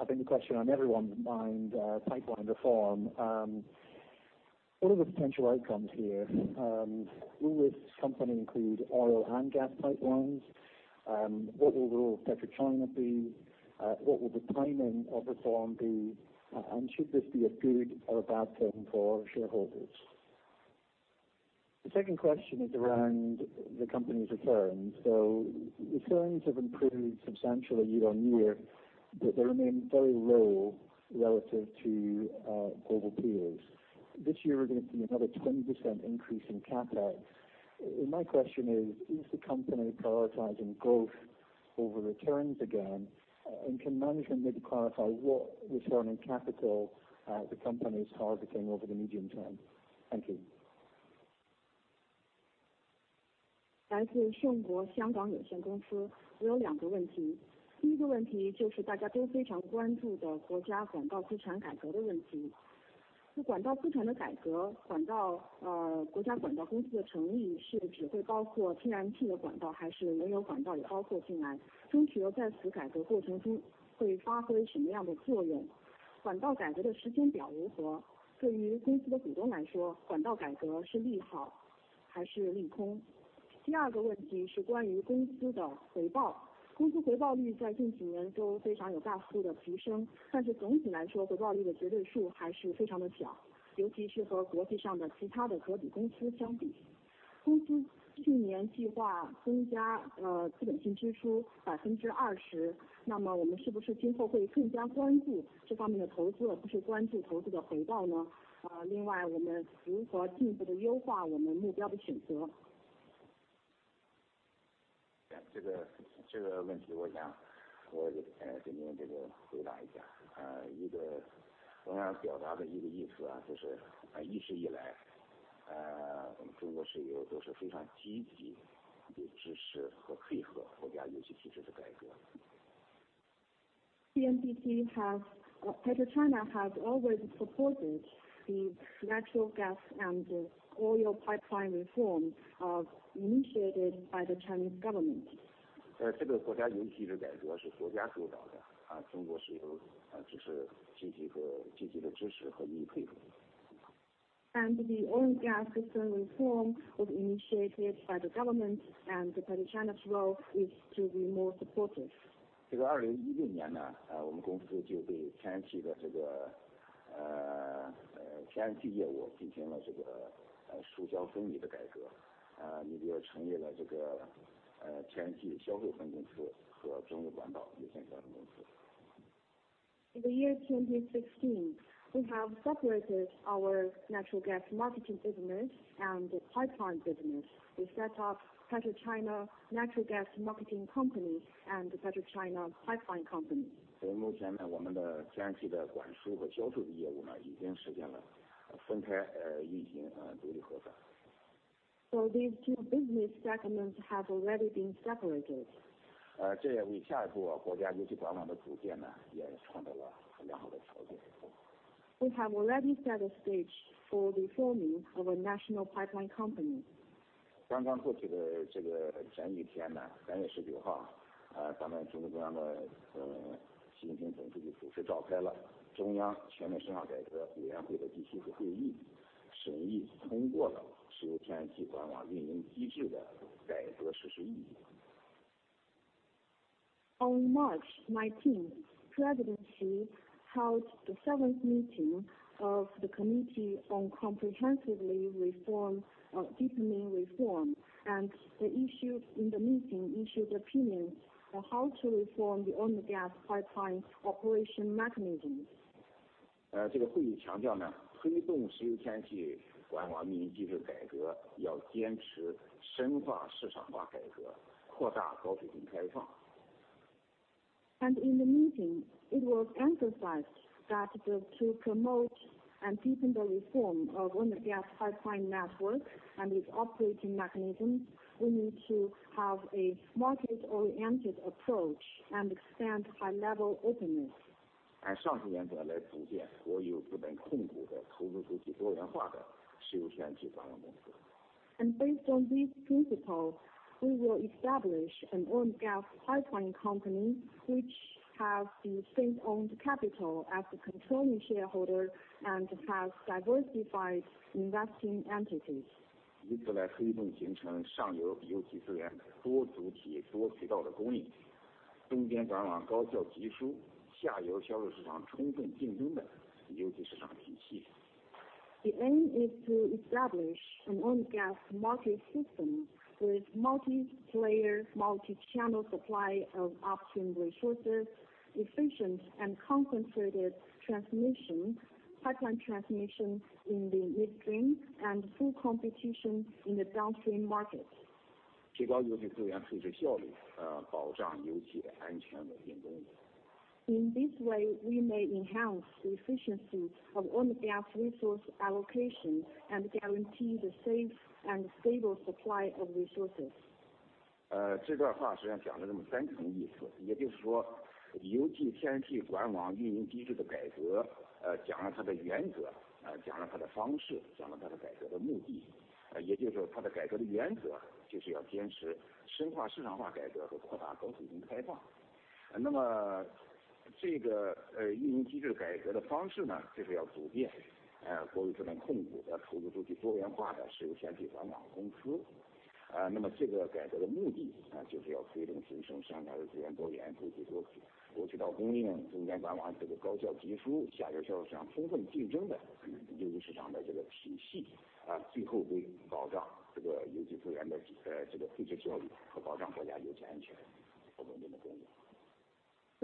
I think the question on everyone's mind, pipeline reform. What are the potential outcomes here? Will this company include oil and gas pipelines? What will the role of PetroChina be? What will the timing of reform be? And should this be a good or a bad thing for shareholders? The second question is around the company's returns. So returns have improved substantially year on year, but they remain very low relative to global peers. This year we're going to see another 20% increase in CapEx. My question is, is the company prioritizing growth over returns again? And can management maybe clarify what return on capital the company is targeting over the medium term? Thank you. 来自桑福德 C. 伯恩斯坦香港有限公司，我有两个问题。第一个问题就是大家都非常关注的国家管道资产改革的问题。那管道资产的改革，国家管道公司的成立是只会包括天然气的管道还是原油管道也包括进来？中石油在此改革过程中会发挥什么样的作用？管道改革的时间表如何？对于公司的股东来说，管道改革是利好还是利空？第二个问题是关于公司的回报。公司回报率在近几年都非常有大幅度的提升，但是总体来说回报率的绝对数还是非常的小，尤其是和国际上的其他的同行公司相比。公司去年计划增加资本性支出20%，那么我们是不是今后会更加关注这方面的投资，而不是关注投资的回报呢？另外我们如何进一步的优化我们目标的选择？这个问题我想我给您回答一下。我想表达的一个意思就是，一直以来我们中国石油都是非常积极地支持和配合国家油气体制的改革。PetroChina has always supported the natural gas and oil pipeline reform initiated by the Chinese government. 这个国家油气的改革是国家主导的，中国石油只是积极地支持和予以配合。The oil and gas system reform was initiated by the government, and PetroChina's role is to be more supportive. 这个2016年我们公司就对天然气的天然气业务进行了业务分离的改革。你比如成立了天然气销售分公司和中石油管道有限公司。In the year 2016, we have separated our natural gas marketing business and pipeline business. We set up PetroChina Natural Gas Marketing Company and PetroChina Pipeline Company. 所以目前我们的天然气的管输和销售的业务已经实现了分开运行独立核算。These two business segments have already been separated. 这也为下一步国家油气管网的组建创造了很良好的条件。We have already set a stage for reforming our national pipeline company. On March 19, General Secretary Xi Jinping held the seventh meeting of the Committee on Comprehensively Deepening Reform, and they issued opinions in the meeting on how to reform the oil and gas pipeline operation mechanisms. 这个会议强调推动石油天然气管网运营机制改革，要坚持深化市场化改革，扩大高水平开放。In the meeting, it was emphasized that to promote and deepen the reform of oil and gas pipeline network and its operating mechanisms, we need to have a market-oriented approach and expand high-level openness. 按上述原则来组建国有资本控股的投资主体多元化的石油天然气管网公司. And based on these principles, we will establish an oil and gas pipeline company which has the state-owned capital as the controlling shareholder and has diversified investing entities. 以此来推动形成上游油气资源多主体多渠道的供应，中间管网高效集输，下游销售市场充分竞争的油气市场体系. The aim is to establish an oil and gas market system with multi-player, multi-channel supply of upstream resources, efficient and concentrated pipeline transmission in the midstream, and full competition in the downstream market. 最高优先度要控制效率，保障油气的安全稳定供应. In this way, we may enhance the efficiency of oil and gas resource allocation and guarantee the safe and stable supply of resources. 这段话实际上讲了这么三层意思，也就是说油气天然气管网运营机制的改革讲了它的原则，讲了它的方式，讲了它的改革的目的. 也就是说它的改革的原则就是要坚持深化市场化改革和扩大高水平开放.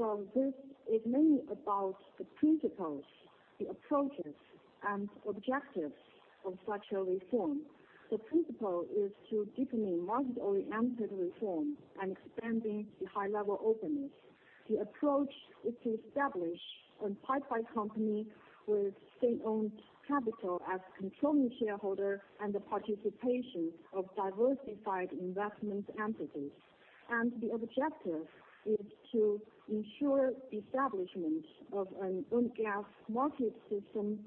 So this is mainly about the principles, the approaches, and objectives of such a reform. The principle is to deepen market-oriented reform and expanding the high-level openness. The approach is to establish a pipeline company with state-owned capital as controlling shareholder and the participation of diversified investment entities. The objective is to ensure the establishment of an oil and gas market system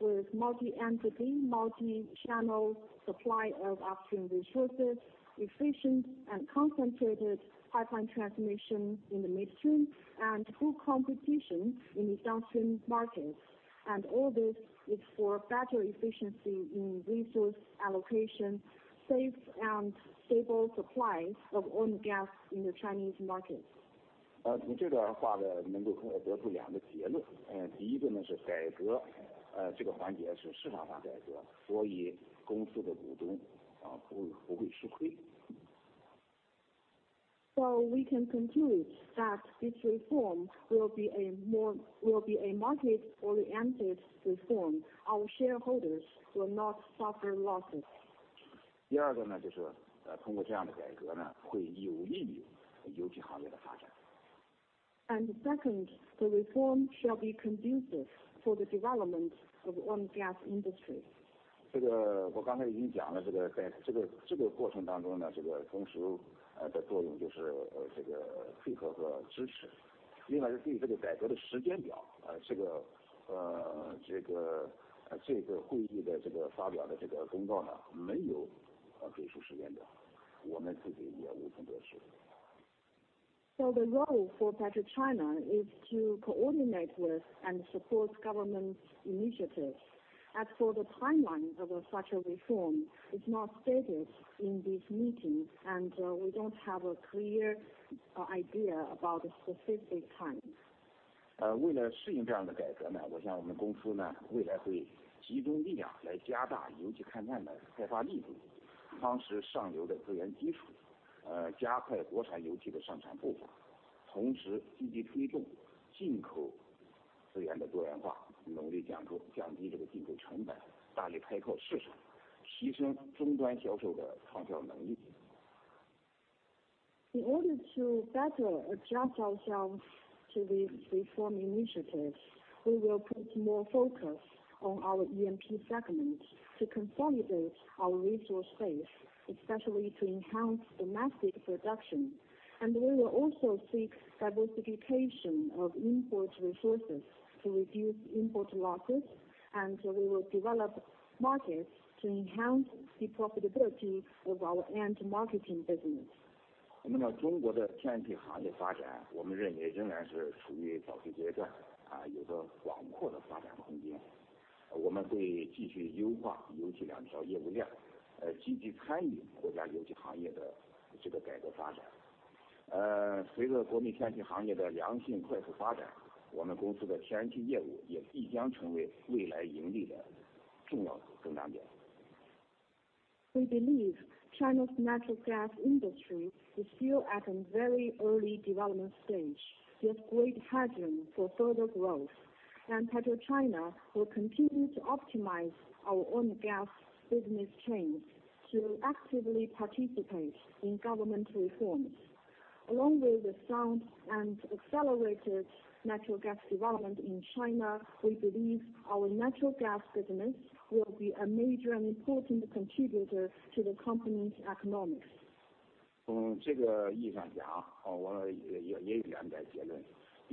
with multi-entity, multi-channel supply of upstream resources, efficient and concentrated pipeline transmission in the midstream, and full competition in the downstream markets. All this is for better efficiency in resource allocation, safe and stable supply of oil and gas in the Chinese markets. 从这段话能够得出两个结论。第一个是改革，这个环节是市场化改革，所以公司的股东不会吃亏。We can conclude that this reform will be a market-oriented reform. Our shareholders will not suffer losses. 第二个就是通过这样的改革会有利于油气行业的发展。Second, the reform shall be conducive for the development of oil and gas industry. The role for PetroChina is to coordinate with and support government initiatives. As for the timeline of such a reform, it's not stated in this meeting, and we don't have a clear idea about the specific time. 为了适应这样的改革，我想我们公司未来会集中力量来加大油气勘探的开发力度，夯实上游的资源基础，加快国产油气的生产步伐，同时积极推动进口资源的多元化，努力降低进口成本，大力开拓市场，提升终端销售的畅销能力。In order to better adjust ourselves to these reform initiatives, we will put more focus on our E&P segment to consolidate our resource base, especially to enhance domestic production. And we will also seek diversification of import resources to reduce import costs, and we will develop markets to enhance the profitability of our end marketing business. 那么中国的天然气行业发展，我们认为仍然是处于早期阶段，有着广阔的发展空间。我们会继续优化油气两条业务链，积极参与国家油气行业的改革发展。随着国内天然气行业的良性快速发展，我们公司的天然气业务也必将成为未来盈利的重要增长点。We believe China's natural gas industry is still at a very early development stage. We have great room for further growth, and PetroChina will continue to optimize our oil and gas business chain to actively participate in government reforms. Along with the sound and accelerated natural gas development in China, we believe our natural gas business will be a major and important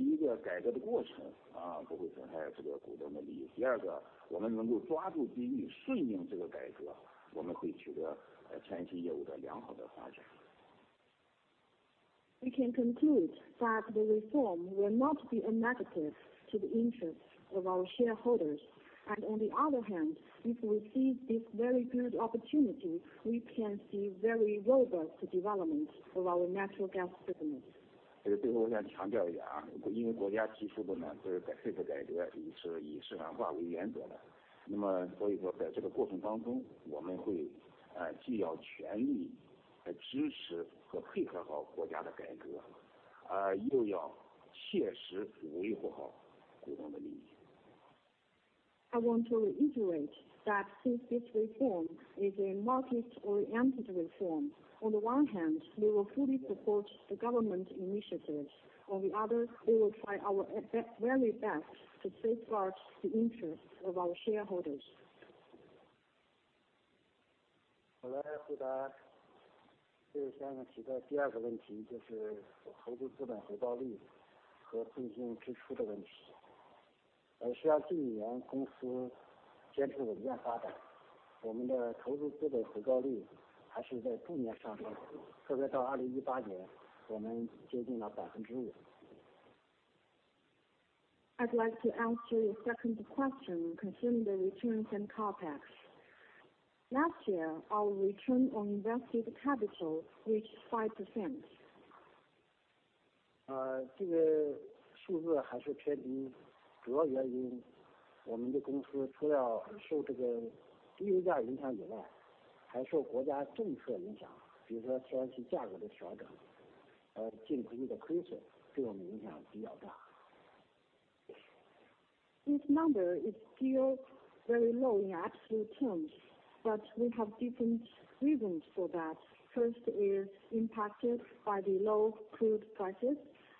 contributor to the company's economics. 从这个意义上讲，我也有两点结论。第一个，改革的过程不会损害股东的利益。第二个，我们能够抓住机遇，顺应这个改革，我们会取得天然气业务的良好发展。We can conclude that the reform will not be a negative to the interests of our shareholders. And on the other hand, if we see this very good opportunity, we can see very robust development of our natural gas business. 这个最后我想强调一下，因为国家提出的这个改革以市场化为原则，所以说在这个过程当中，我们会既要全力支持和配合好国家的改革，又要切实维护好股东的利益。I want to reiterate that since this reform is a market-oriented reform, on the one hand, we will fully support the government initiatives. On the other, we will try our very best to safeguard the interests of our shareholders. 我来回答这个三个主要的问题，就是投资资本回报率和信心支出的问题。虽然近几年公司坚持稳健发展，我们的投资资本回报率还是在逐年上升，特别到2018年，我们接近了5%。I'd like to answer your second question concerning the returns and CapEx. Last year, our return on invested capital reached 5%. 这个数字还是偏低，主要原因我们的公司除了受低油价影响以外，还受国家政策影响，比如说天然气价格的调整，近期的亏损对我们影响比较大。This number is still very low in absolute terms, but we have different reasons for that. First is impacted by the low crude prices,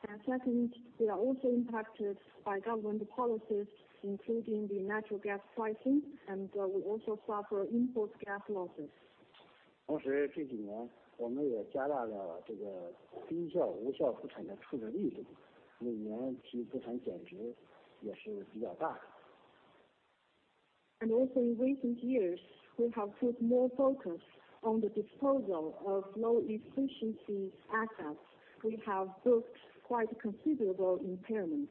and second, we are also impacted by government policies, including the natural gas pricing, and we also suffer import gas losses. 同时近几年我们也加大了低效无效资产的处置力度，每年其资产减值也是比较大的。And also in recent years, we have put more focus on the disposal of low efficiency assets. We have booked quite considerable impairments.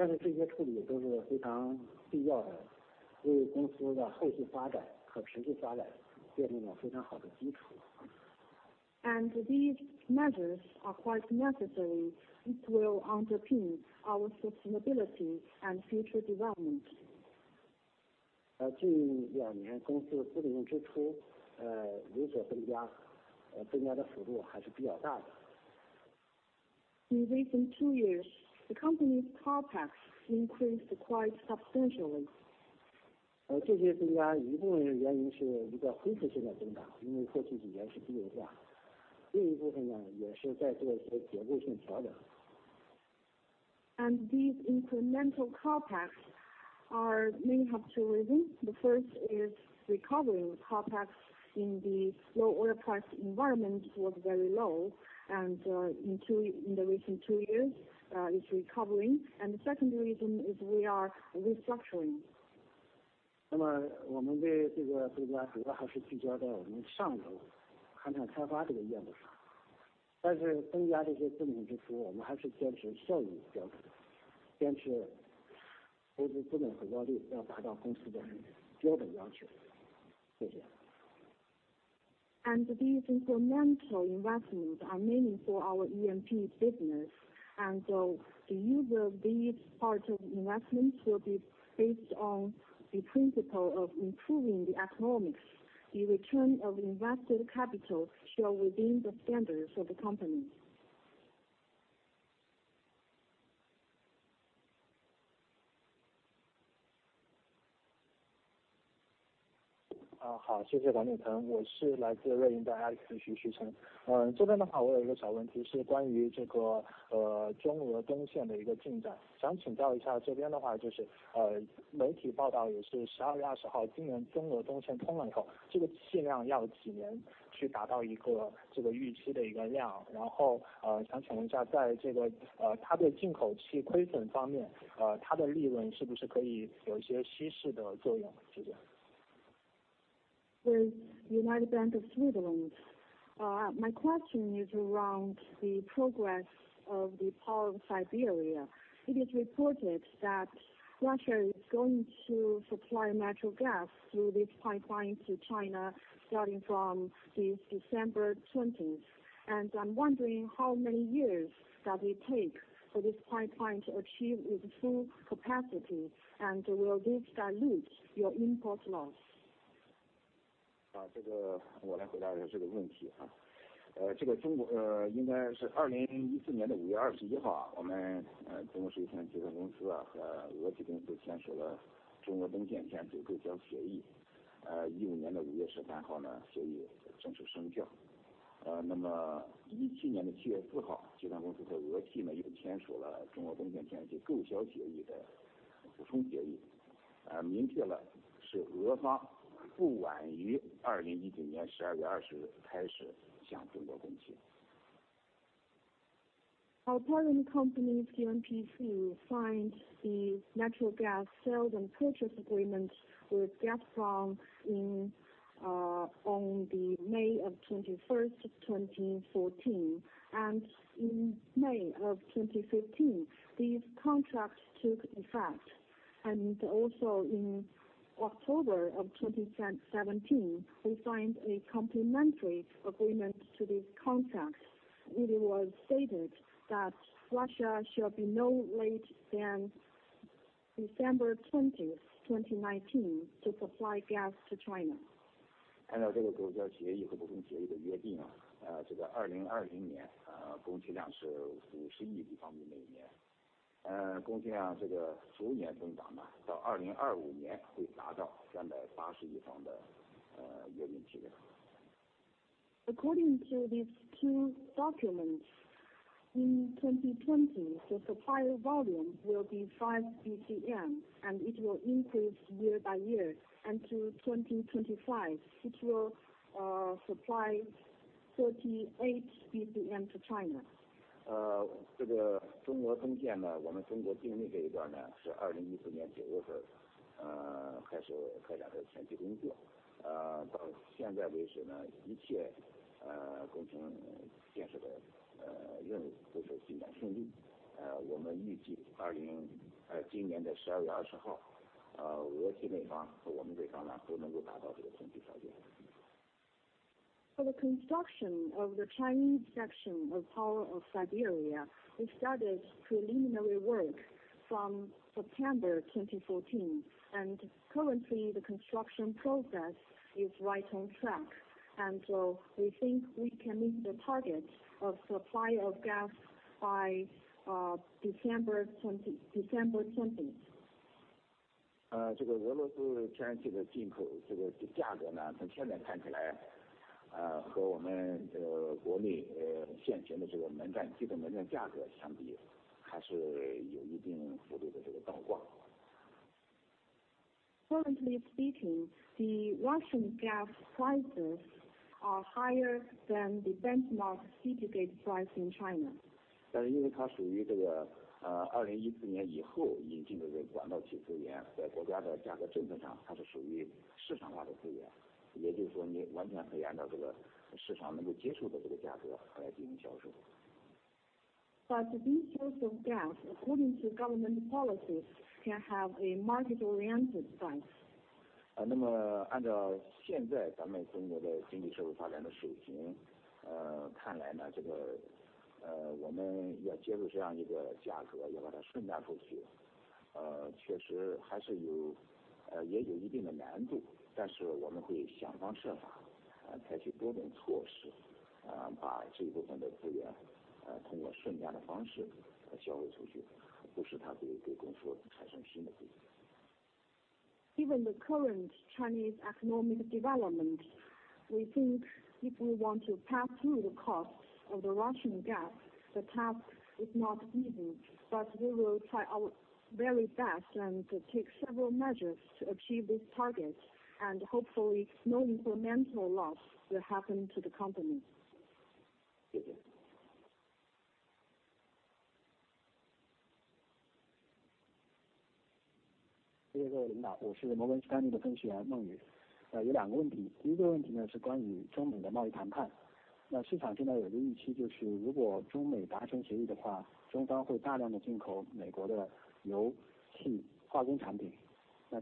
但是这些处理都是非常必要的，为公司的后续发展和持续发展奠定了非常好的基础。These measures are quite necessary. It will underpin our sustainability and future development. 近两年公司资本用支出有所增加，增加的幅度还是比较大的。In recent two years, the company's CapEx increased quite substantially. 这些增加一部分原因是一个恢复性的增长，因为过去几年是低油价，另一部分也是在做一些结构性调整。These incremental CapEx may have two reasons. The first is recovering. CapEx in the low oil price environment was very low, and in the recent two years it's recovering. The second reason is we are restructuring. 那么我们对这个不是说主要还是聚焦在我们上游勘探开发这个业务上，但是增加这些资本支出，我们还是坚持效益标准，坚持投资资本回报率要达到公司的标准要求，这些。These incremental investments are mainly for our E&P business, and the use of these parts of investments will be based on the principle of improving the economics. The return of invested capital shall within the standards of the company. 好，谢谢王景诚。我是来自瑞银的 Alex Xu。这边的话我有一个小问题，是关于中俄东线的一个进展，想请教一下这边的话就是媒体报道也是 12月20 号，今年中俄东线通了以后，这个气量要几年去达到一个预期的一个量，然后想请问一下在它的进口气亏损方面，它的利润是不是可以有一些稀释的作用，谢谢。With United Bank of Switzerland, my question is around the progress of the Power of Siberia. It is reported that Russia is going to supply natural gas through this pipeline to China starting from this December 20th, and I'm wondering how many years does it take for this pipeline to achieve its full capacity, and will this dilute your import loss? 我来回答一下这个问题。这个应该是 2014 年的 5月21 号，我们中国石油天然气有限公司和俄企公司签署了中俄东线天然气的购销协议，15 年的 5月13 号协议正式生效。那么 17 年的 7月4 号，集团公司和俄企又签署了中俄东线天然气购销协议的补充协议，明确了是俄方不晚于 2019年12月20 日开始向中国供气。Our parent company's E&P to sign the natural gas sales and purchase agreement with Gazprom on May 21, 2014, and in May 2015 these contracts took effect. In July 2017, we signed a supplementary agreement to this contract. It was stated that Russia shall be no later than December 20, 2019, to supply gas to China. 按照这个购销协议和补充协议的约定，2020 年供气量是 50 亿立方米每年，供气量逐年增长，到 2025 年会达到 380 亿立方米的约定值。According to these two documents, in 2020 the supply volume will be 5 BCM, and it will increase year by year. Until 2025, it will supply 38 BCM to China. 这个中俄东线我们中国境内这一段是 2014年9 月份开始开展的前期工作，到现在为止一切工程建设的任务都是进展顺利，我们预计今年的 12月20 号俄企那方和我们这方都能够达到这个前期条件。For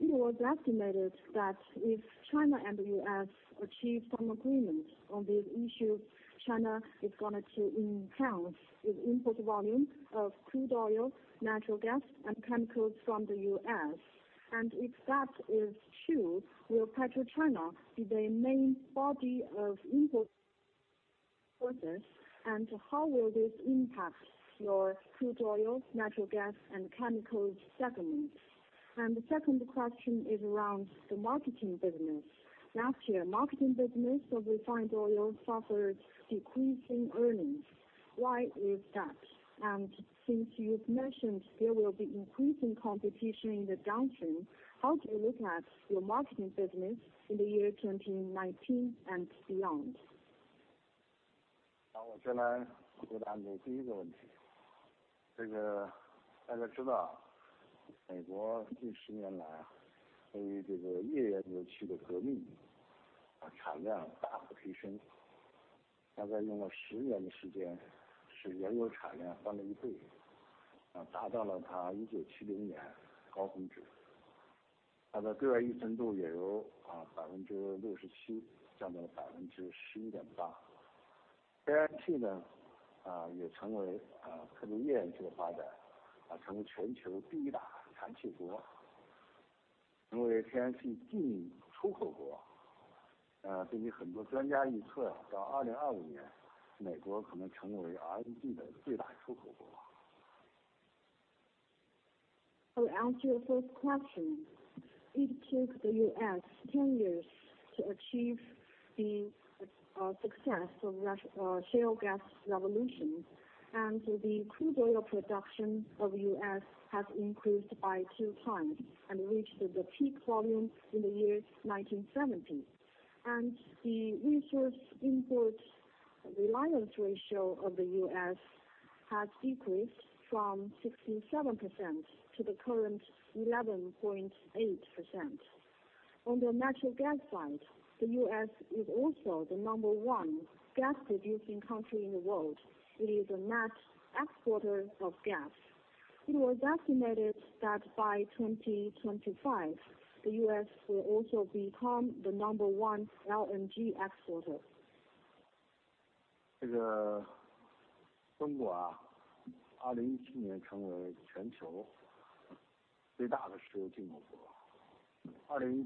It was estimated that if China and the U.S. achieve some agreement on this issue, China is going to enhance its import volume of crude oil, natural gas, and chemicals from the U.S., and if that is true, will PetroChina be the main body of import sources, and how will this impact your crude oil, natural gas, and chemicals segments? And the second question is around the marketing business. Last year, marketing business of refined oil suffered decreasing earnings. Why is that? And since you've mentioned there will be increasing competition in the downstream, how do you look at your marketing business in the year 2019 and beyond? 好，我先来回答美国第一个问题。大家知道，美国近十年来由于页岩油气的革命，产量大幅提升，大概用了十年的时间，是原油产量翻了一倍，达到了它 1970 年高峰值。它的对外依存度也由 67% 降到了 11.8%。天然气也成为特别页岩气的发展，成为全球第一大产气国。成为天然气净出口国，根据很多专家预测，到 2025 年，美国可能成为 LNG 的最大出口国。For answer to your first question, it took the U.S. 10 years to achieve the success of the shale gas revolution, and the crude oil production of the U.S. has increased by two times and reached the peak volume in the year 1970. And the resource import reliance ratio of the U.S. has decreased from 67% to the current 11.8%. On the natural gas side, the U.S. is also the number one gas-producing country in the world. It is a net exporter of gas. It was estimated that by 2025, the U.S. will also become the number one LNG exporter. 这个中国 2017 年成为全球最大的石油进口国，2018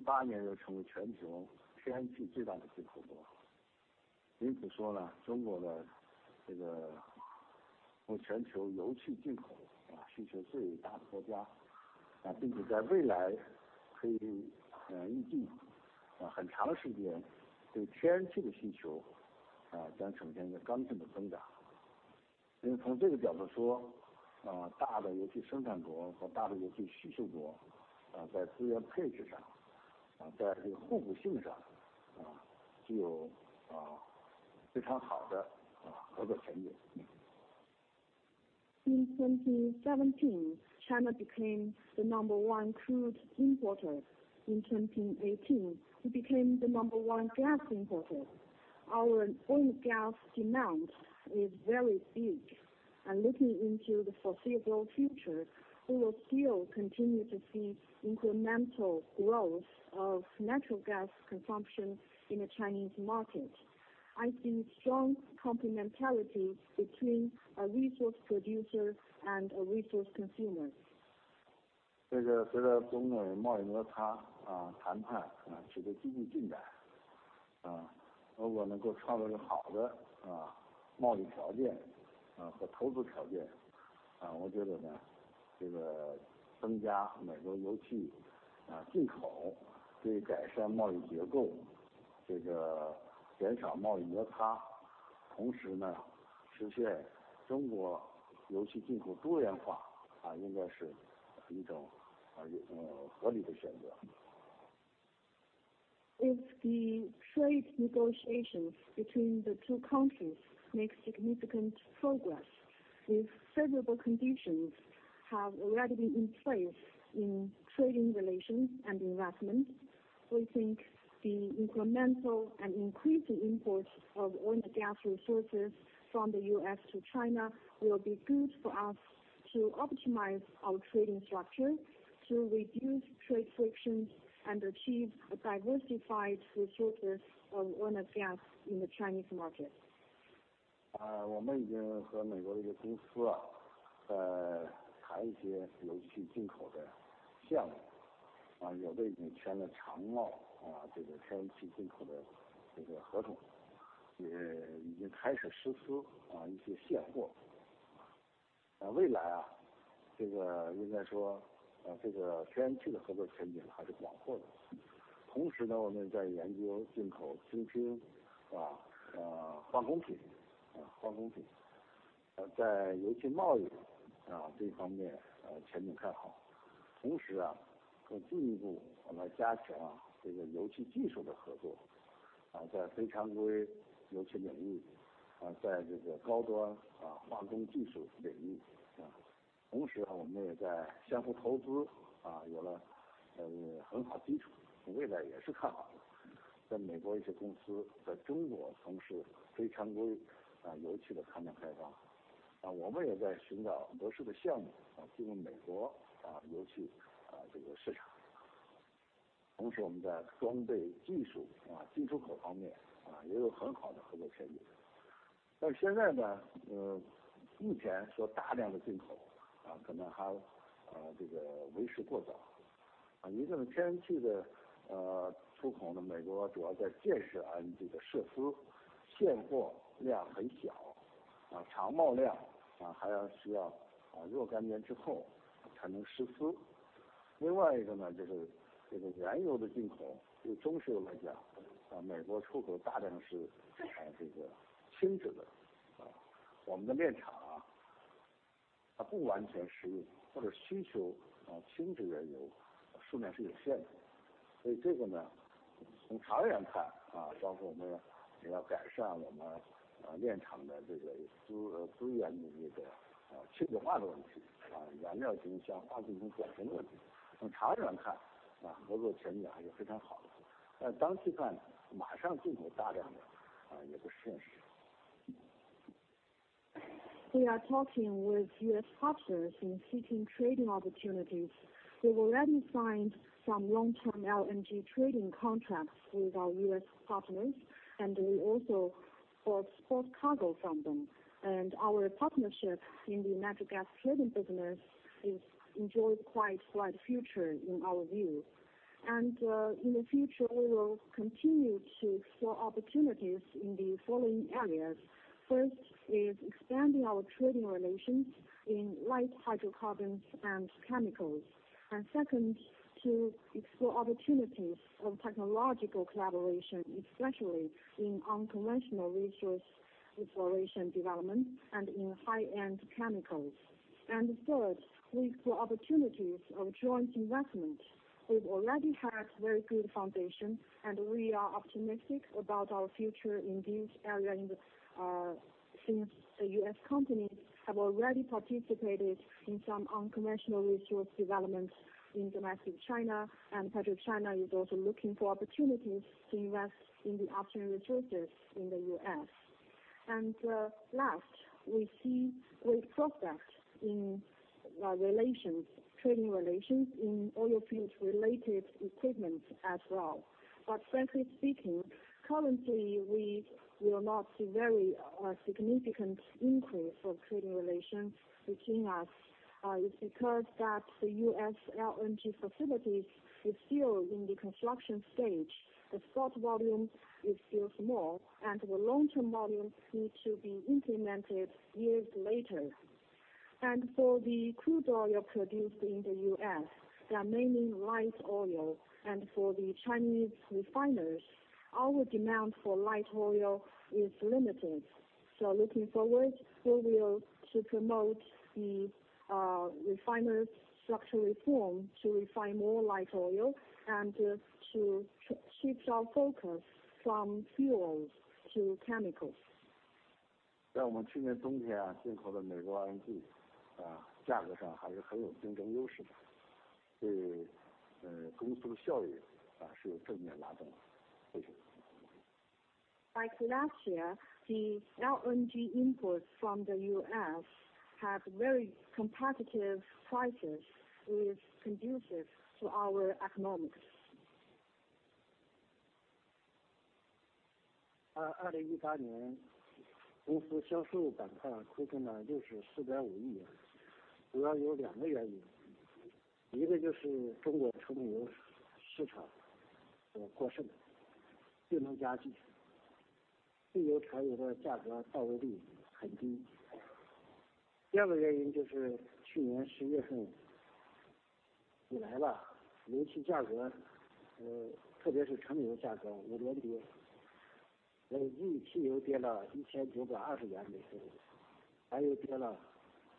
In 2017, China became the number one crude importer. In 2018, it became the number one gas importer. Our oil and gas demand is very big, and looking into the foreseeable future, we will still continue to see incremental growth of natural gas consumption in the Chinese market. I see strong complementarity between a resource producer and a resource consumer. If the trade negotiations between the two countries make significant progress, with favorable conditions that have already been in place in trading relations and investment, we think the incremental and increasing import of oil and gas resources from the U.S. to China will be good for us to optimize our trading structure, to reduce trade friction, and achieve a diversified resource of oil and gas in the Chinese market. 我们已经和美国的一个公司谈一些油气进口的项目，有的已经签了长贸天然气进口的合同，也已经开始实施一些现货。未来应该说天然气的合作前景还是广阔的。同时我们在研究进口新品、化工品。在油气贸易这方面前景看好，同时更进一步我们来加强油气技术的合作，在非常规油气领域，在高端化工技术领域。同时我们也在相互投资有了很好的基础，未来也是看好的。在美国一些公司在中国从事非常规油气的产品开发，我们也在寻找合适的项目进入美国油气市场。同时我们在装备技术进出口方面也有很好的合作前景。但是现在目前说大量的进口可能还为时过早。一个天然气的出口，美国主要在建设和设施，现货量很小，长贸量还要需要若干年之后才能实施。另外一个就是原油的进口，对中石油来讲，美国出口大量是轻质的，我们的炼厂不完全适用，或者需求轻质原油数量是有限的。所以这个从长远看，包括我们要改善我们炼厂的资源的轻质化的问题，燃料进行向化工进行转型的问题，从长远看合作前景还是非常好的。但当去看马上进口大量的也不是现实。We are talking with U.S. partners in seeking trading opportunities. We've already signed some long-term LNG trading contracts with our U.S. partners, and we also bought cargo from them. And our partnership in the natural gas trading business enjoys quite a bright future in our view. And in the future, we will continue to explore opportunities in the following areas. First is expanding our trading relations in light hydrocarbons and chemicals. And second, to explore opportunities of technological collaboration, especially in unconventional resource exploration development and in high-end chemicals. And third, we explore opportunities of joint investment. We've already had a very good foundation, and we are optimistic about our future in these areas since the U.S. companies have already participated in some unconventional resource development in domestic China, and PetroChina is also looking for opportunities to invest in the unconventional resources in the U.S. And last, we see great prospects in trading relations in oil field-related equipment as well. But frankly speaking, currently we will not see very significant increase of trading relations between us. It's because that the U.S. LNG facilities are still in the construction stage, the throughput volume is still small, and the long-term volume needs to be implemented years later. And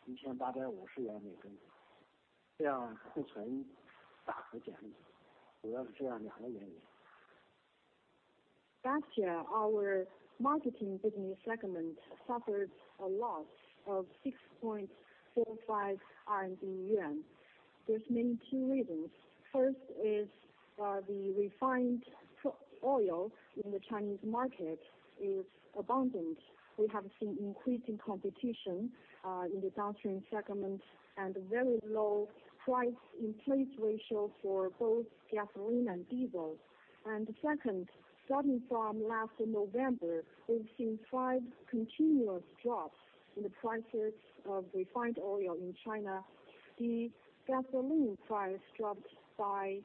for the crude oil produced in the U.S., that's mainly light oil, and for the Chinese refiners, our demand for light oil is limited. So looking forward, we will promote the refinery structure reform to refine more light oil and to shift our focus from fuel to chemicals. 在我们今年冬天进口的美国LNG，价格上还是很有竞争优势的，对公司的效益是有正面拉动的。Like last year, the LNG imports from the U.S. had very competitive prices, which is conducive to our economics. 2018年公司销售板块亏损了64.5亿元，主要有两个原因，一个就是中国成品油市场过剩，竞争加剧，汽油柴油的价格到位率很低。第二个原因就是去年10月份以来，油气价格，特别是成品油价格，五连跌，累计汽油跌了1920元每升，柴油跌了1850元每升，这样库存大幅减少，主要是这样两个原因。Last year, our marketing business segment suffered a loss of 6.45 billion yuan. There's mainly two reasons. First is the refined oil in the Chinese market is abundant. We have seen increasing competition in the downstream segment and very low price-in-place ratio for both gasoline and diesel, and second, starting from last November, we've seen five continuous drops in the prices of refined oil in China. The gasoline price dropped by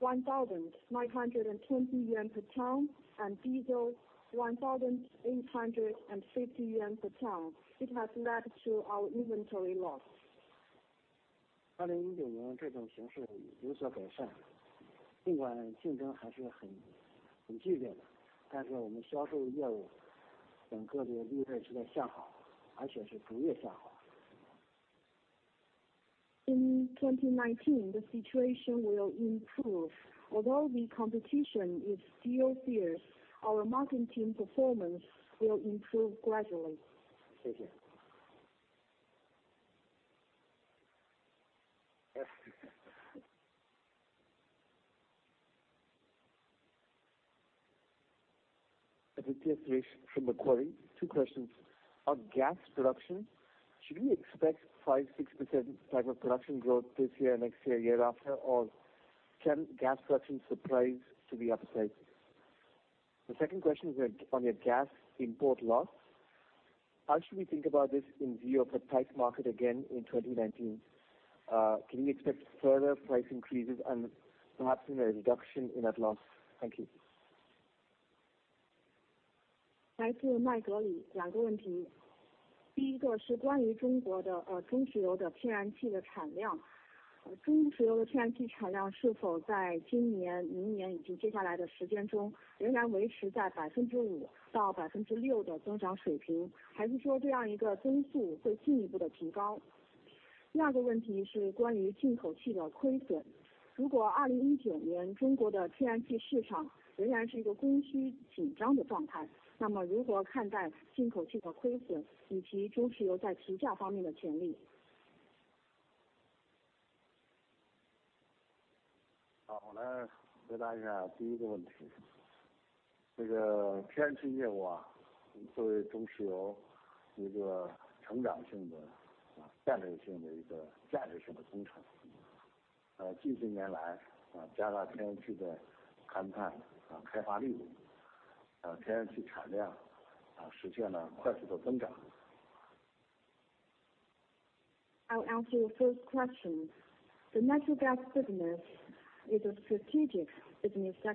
1,920 yuan per ton, and diesel 1,850 yuan per ton. It has led to our inventory loss. 2019年这种形势有所改善，尽管竞争还是很激烈的，但是我们销售业务整个的利润是在向好，而且是逐月向好。In 2019, the situation will improve. Although the competition is still fierce, our marketing team's performance will improve gradually. 谢谢。This is Jessie from Macquarie. Two questions. On gas production, should we expect 5%-6% type of production growth this year, next year, year after, or can gas production surprise to the upside? The second question is on your gas import loss. How should we think about this in view of a tight market again in 2019? Can we expect further price increases and perhaps even a reduction in that loss? Thank you. 来自麦格理两个问题。第一个是关于中国的中石油的天然气的产量，中石油的天然气产量是否在今年、明年以及接下来的时间中仍然维持在5%到6%的增长水平，还是说这样一个增速会进一步的提高？第二个问题是关于进口气的亏损。如果2019年中国的天然气市场仍然是一个供需紧张的状态，那么如何看待进口气的亏损以及中石油在提价方面的潜力？ 好，我来回答一下第一个问题。天然气业务作为中石油一个成长性的、战略性的、价值性的工程，近些年来加大天然气的勘探、开发力度，天然气产量实现了快速的增长。I'll answer your first question. The natural gas business is a strategic business segment for U.S., is a pillar of growth. In the recent years, we have put more emphasis and focus on the natural gas exploration and production. We've seen considerable increase in the output. 特别是随着技术的进步，在深井、在致密气、在页岩气方面还有相当大的勘探潜力。Especially alongside the increasing technology advancement, we see great exploration potential in deep wells in tight gas and shale gas.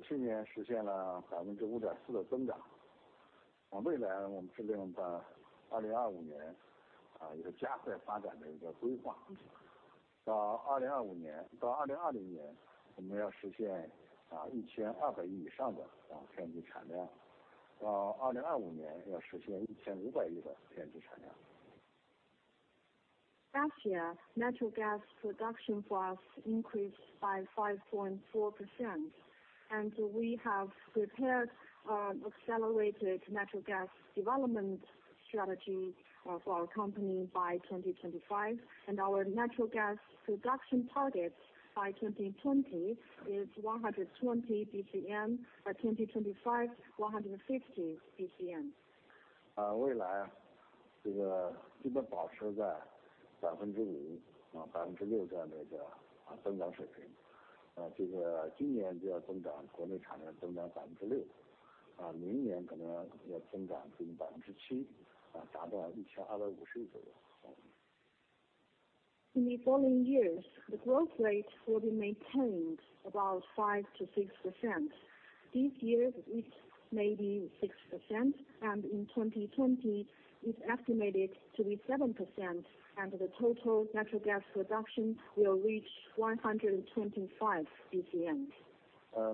去年实现了5.4%的增长，未来我们是利用到2025年一个加快发展的一个规划。到2020年，我们要实现1200亿以上的天然气产量，到2025年要实现1500亿的天然气产量。Last year, natural gas production for us increased by 5.4%, and we have prepared an accelerated natural gas development strategy for our company by 2025, and our natural gas production target by 2020 is 120 BCM, by 2025, 150 BCM. 未来基本保持在5%、6%这样的一个增长水平。今年就要增长国内产量增长6%，明年可能要增长接近7%，达到1250亿左右。In the following years, the growth rate will be maintained about 5%-6%. This year, it's maybe 6%, and in 2020, it's estimated to be 7%, and the total natural gas production will reach 125 BCM.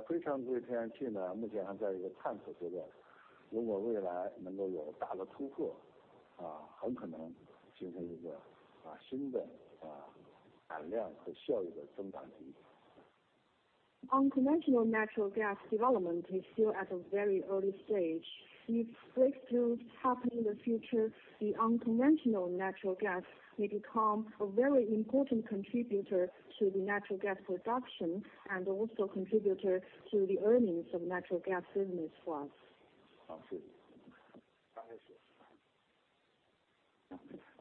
非常规天然气目前还在一个探索阶段，如果未来能够有大的突破，很可能形成一个新的产量和效益的增长体。Unconventional natural gas development is still at a very early stage. If breakthroughs happen in the future, the unconventional natural gas may become a very important contributor to the natural gas production and also a contributor to the earnings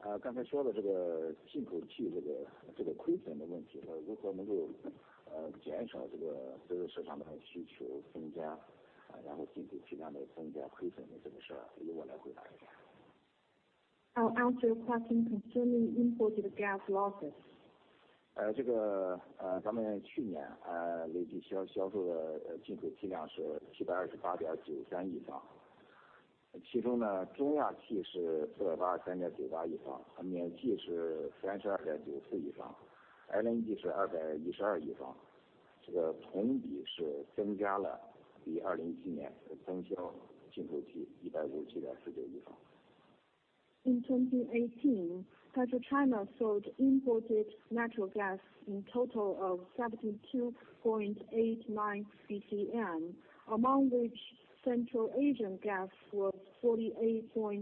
of natural gas business for us. 好，谢谢。刚才说的进口气亏损的问题，如何能够减少所有市场的需求增加，然后进口气量的增加亏损的这个事，由我来回答一下。I'll answer your question concerning imported gas losses. 咱们去年累计销售的进口气量是728.93亿方，其中中亚气是483.98亿方，缅气是32.94亿方，LNG是212亿方，同比是增加了比2017年增销进口气157.49亿方。In 2018, PetroChina sold imported natural gas in total of 72.89 BCM, among which Central Asian gas was 48.398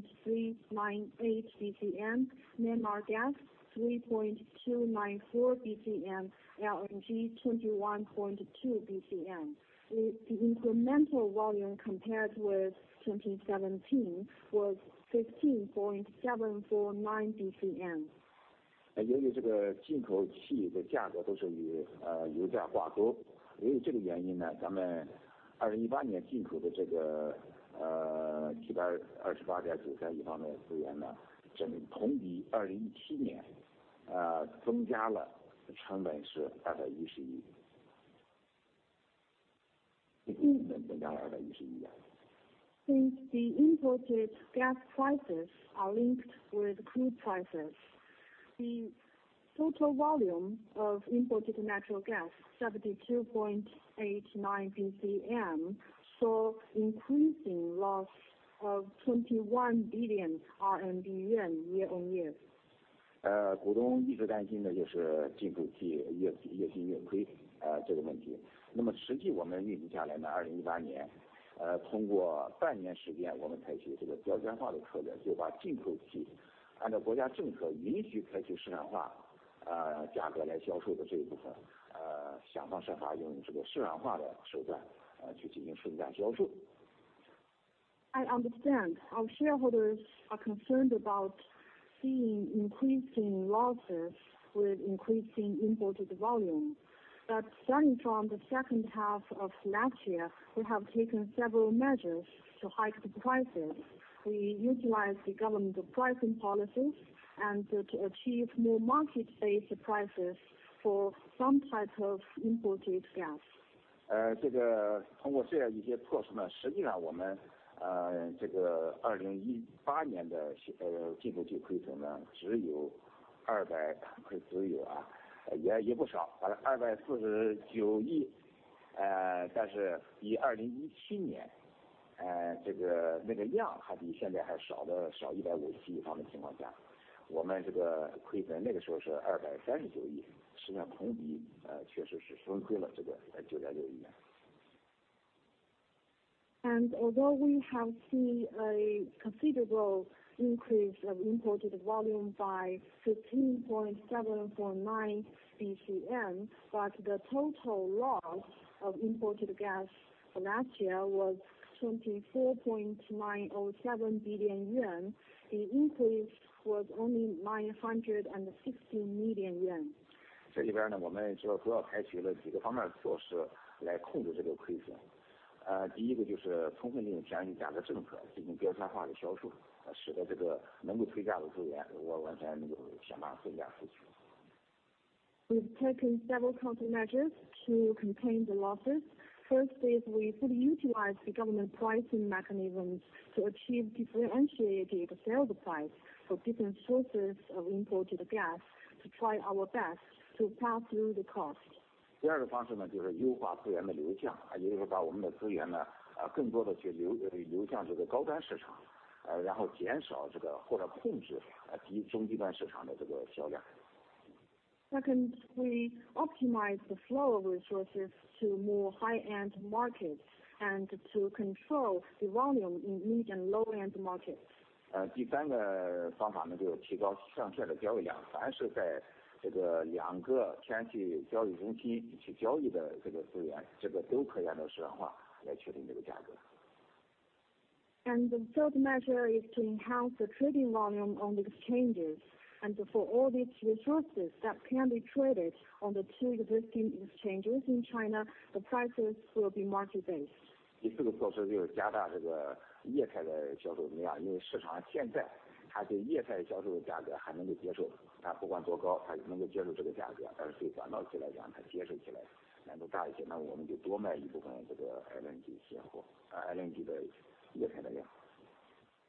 BCM, Myanmar gas 3.294 BCM, LNG 21.2 BCM. The incremental volume compared with 2017 was 15.749 BCM. 由于进口气的价格都是以油价挂钩，由于这个原因，咱们2018年进口的728.93亿方的资源，同比2017年增加了成本是210亿。Since the imported gas prices are linked with crude prices, the total volume of imported natural gas 72.89 BCM saw increasing loss of 21 billion yuan year on year. 股东一直担心的就是进口气越新越亏这个问题。实际我们运营下来，2018年通过半年时间，我们采取交叉化的策略，就把进口气按照国家政策允许采取市场化价格来销售的这一部分，想方设法用市场化的手段去进行顺价销售。I understand. Our shareholders are concerned about seeing increasing losses with increasing imported volume, but starting from the second half of last year, we have taken several measures to hike the prices. We utilize the government pricing policies to achieve more market-based prices for some type of imported gas. 通过这样一些措施，实际上我们2018年的进口气亏损只有200， 也不少，249亿，但是比2017年那个量还比现在还少157亿方的情况下，我们亏损那个时候是239亿，实际上同比确实是双亏了9.6亿元。And although we have seen a considerable increase of imported volume by 15.749 BCM, but the total loss of imported gas last year was 24.907 billion yuan. The increase was only 960 million yuan. 这里边我们主要采取了几个方面的措施来控制亏损。第一个就是充分利用天然气价格政策，进行标签化的销售，使得能够推价的资源完全能够想办法顺价出去。We've taken several countermeasures to contain the losses. First is we fully utilize the government pricing mechanisms to achieve differentiated sales price for different sources of imported gas to try our best to pass through the cost. 第二个方式就是优化资源的流向，也就是把我们的资源更多地去流向高端市场，然后减少或者控制中低端市场的销量。Second, we optimize the flow of resources to more high-end markets and to control the volume in mid and low-end markets. 第三个方法就是提高上限的交易量，凡是在两个天然气交易中心去交易的资源，这个都可以按照市场化来确定价格。And the third measure is to enhance the trading volume on the exchanges. And for all these resources that can be traded on the two existing exchanges in China, the prices will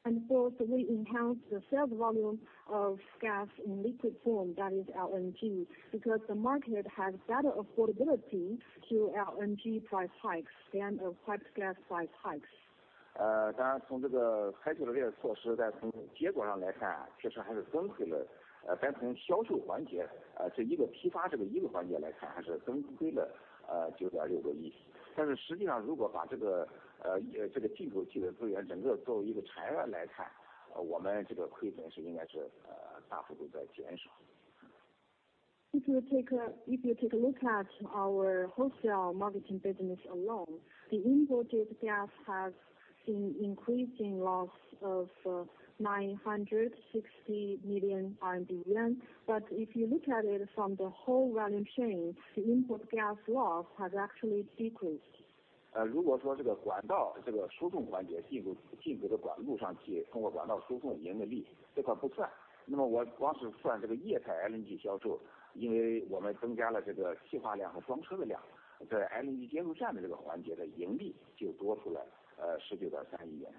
be market-based. 第四个措施就是加大液态的销售能量，因为市场现在它对液态销售的价格还能够接受，它不管多高，它能够接受这个价格，但是对短到期来讲，它接受起来难度大一些，那我们就多卖一部分LNG的液态能量。And fourth, we enhance the sales volume of gas in liquid form, that is LNG, because the market has better affordability to LNG price hikes than piped gas price hikes.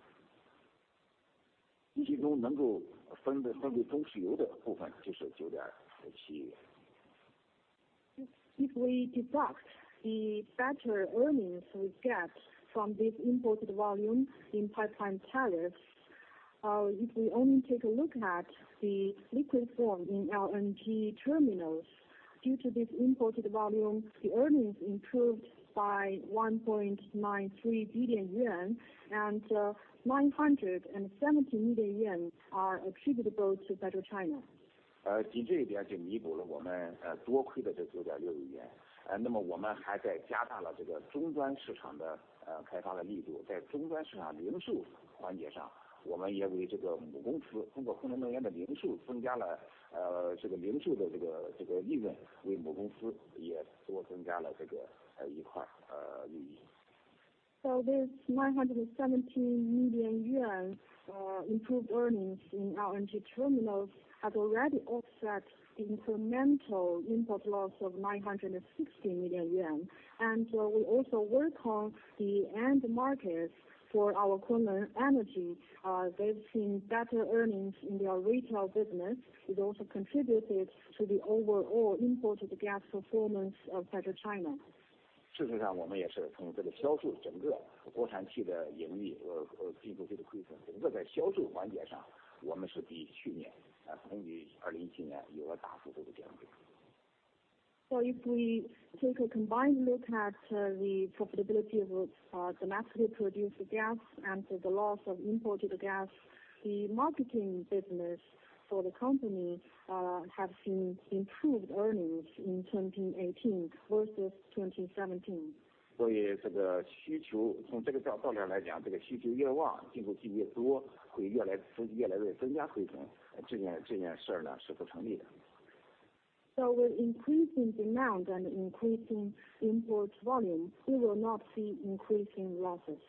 If you take a look at our wholesale marketing business alone, the imported gas has seen increasing loss of 960 million yuan, but if you look at it from the whole value chain, the imported gas loss has actually decreased. 如果说管道输送环节，进口的管路上去通过管道输送的盈利率，这块不算。那么我光是算液态LNG销售，因为我们增加了气化量和双车的量，在LNG接入站的环节的盈利就多出了19.3亿元。其中能够分配中石油的部分就是9.7亿元。If we deduct the pipeline earnings we get from this imported volume in pipeline tariffs, if we only take a look at the liquid form in LNG terminals, due to this imported volume, the earnings improved by CNY 1.93 billion, and CNY 970 million are attributable to PetroChina. 仅这一点就弥补了我们多亏的9.6亿元。那么我们还在加大了中端市场的开发的力度，在中端市场零售环节上，我们也为母公司通过昆仑能源的零售增加了零售的利润，为母公司也多增加了一块利益。So this CNY 970 million improved earnings in LNG terminals has already offset the incremental import loss of 960 million yuan. And we also work on the mid-end markets. They've seen better earnings in their retail business. It also contributed to the overall imported gas performance of PetroChina. 事实上我们也是从销售整个国产气的盈利和进口气的亏损，整个在销售环节上，我们是比去年同比2017年有了大幅度的减亏。So if we take a combined look at the profitability of domestically produced gas and the loss of imported gas, the marketing business for the company has seen improved earnings in 2018 versus 2017. 所以从这个用量来讲，需求越旺，进口气越多，会越来越增加亏损，这件事是不成立的。So with increasing demand and increasing import volume, we will not see increasing losses.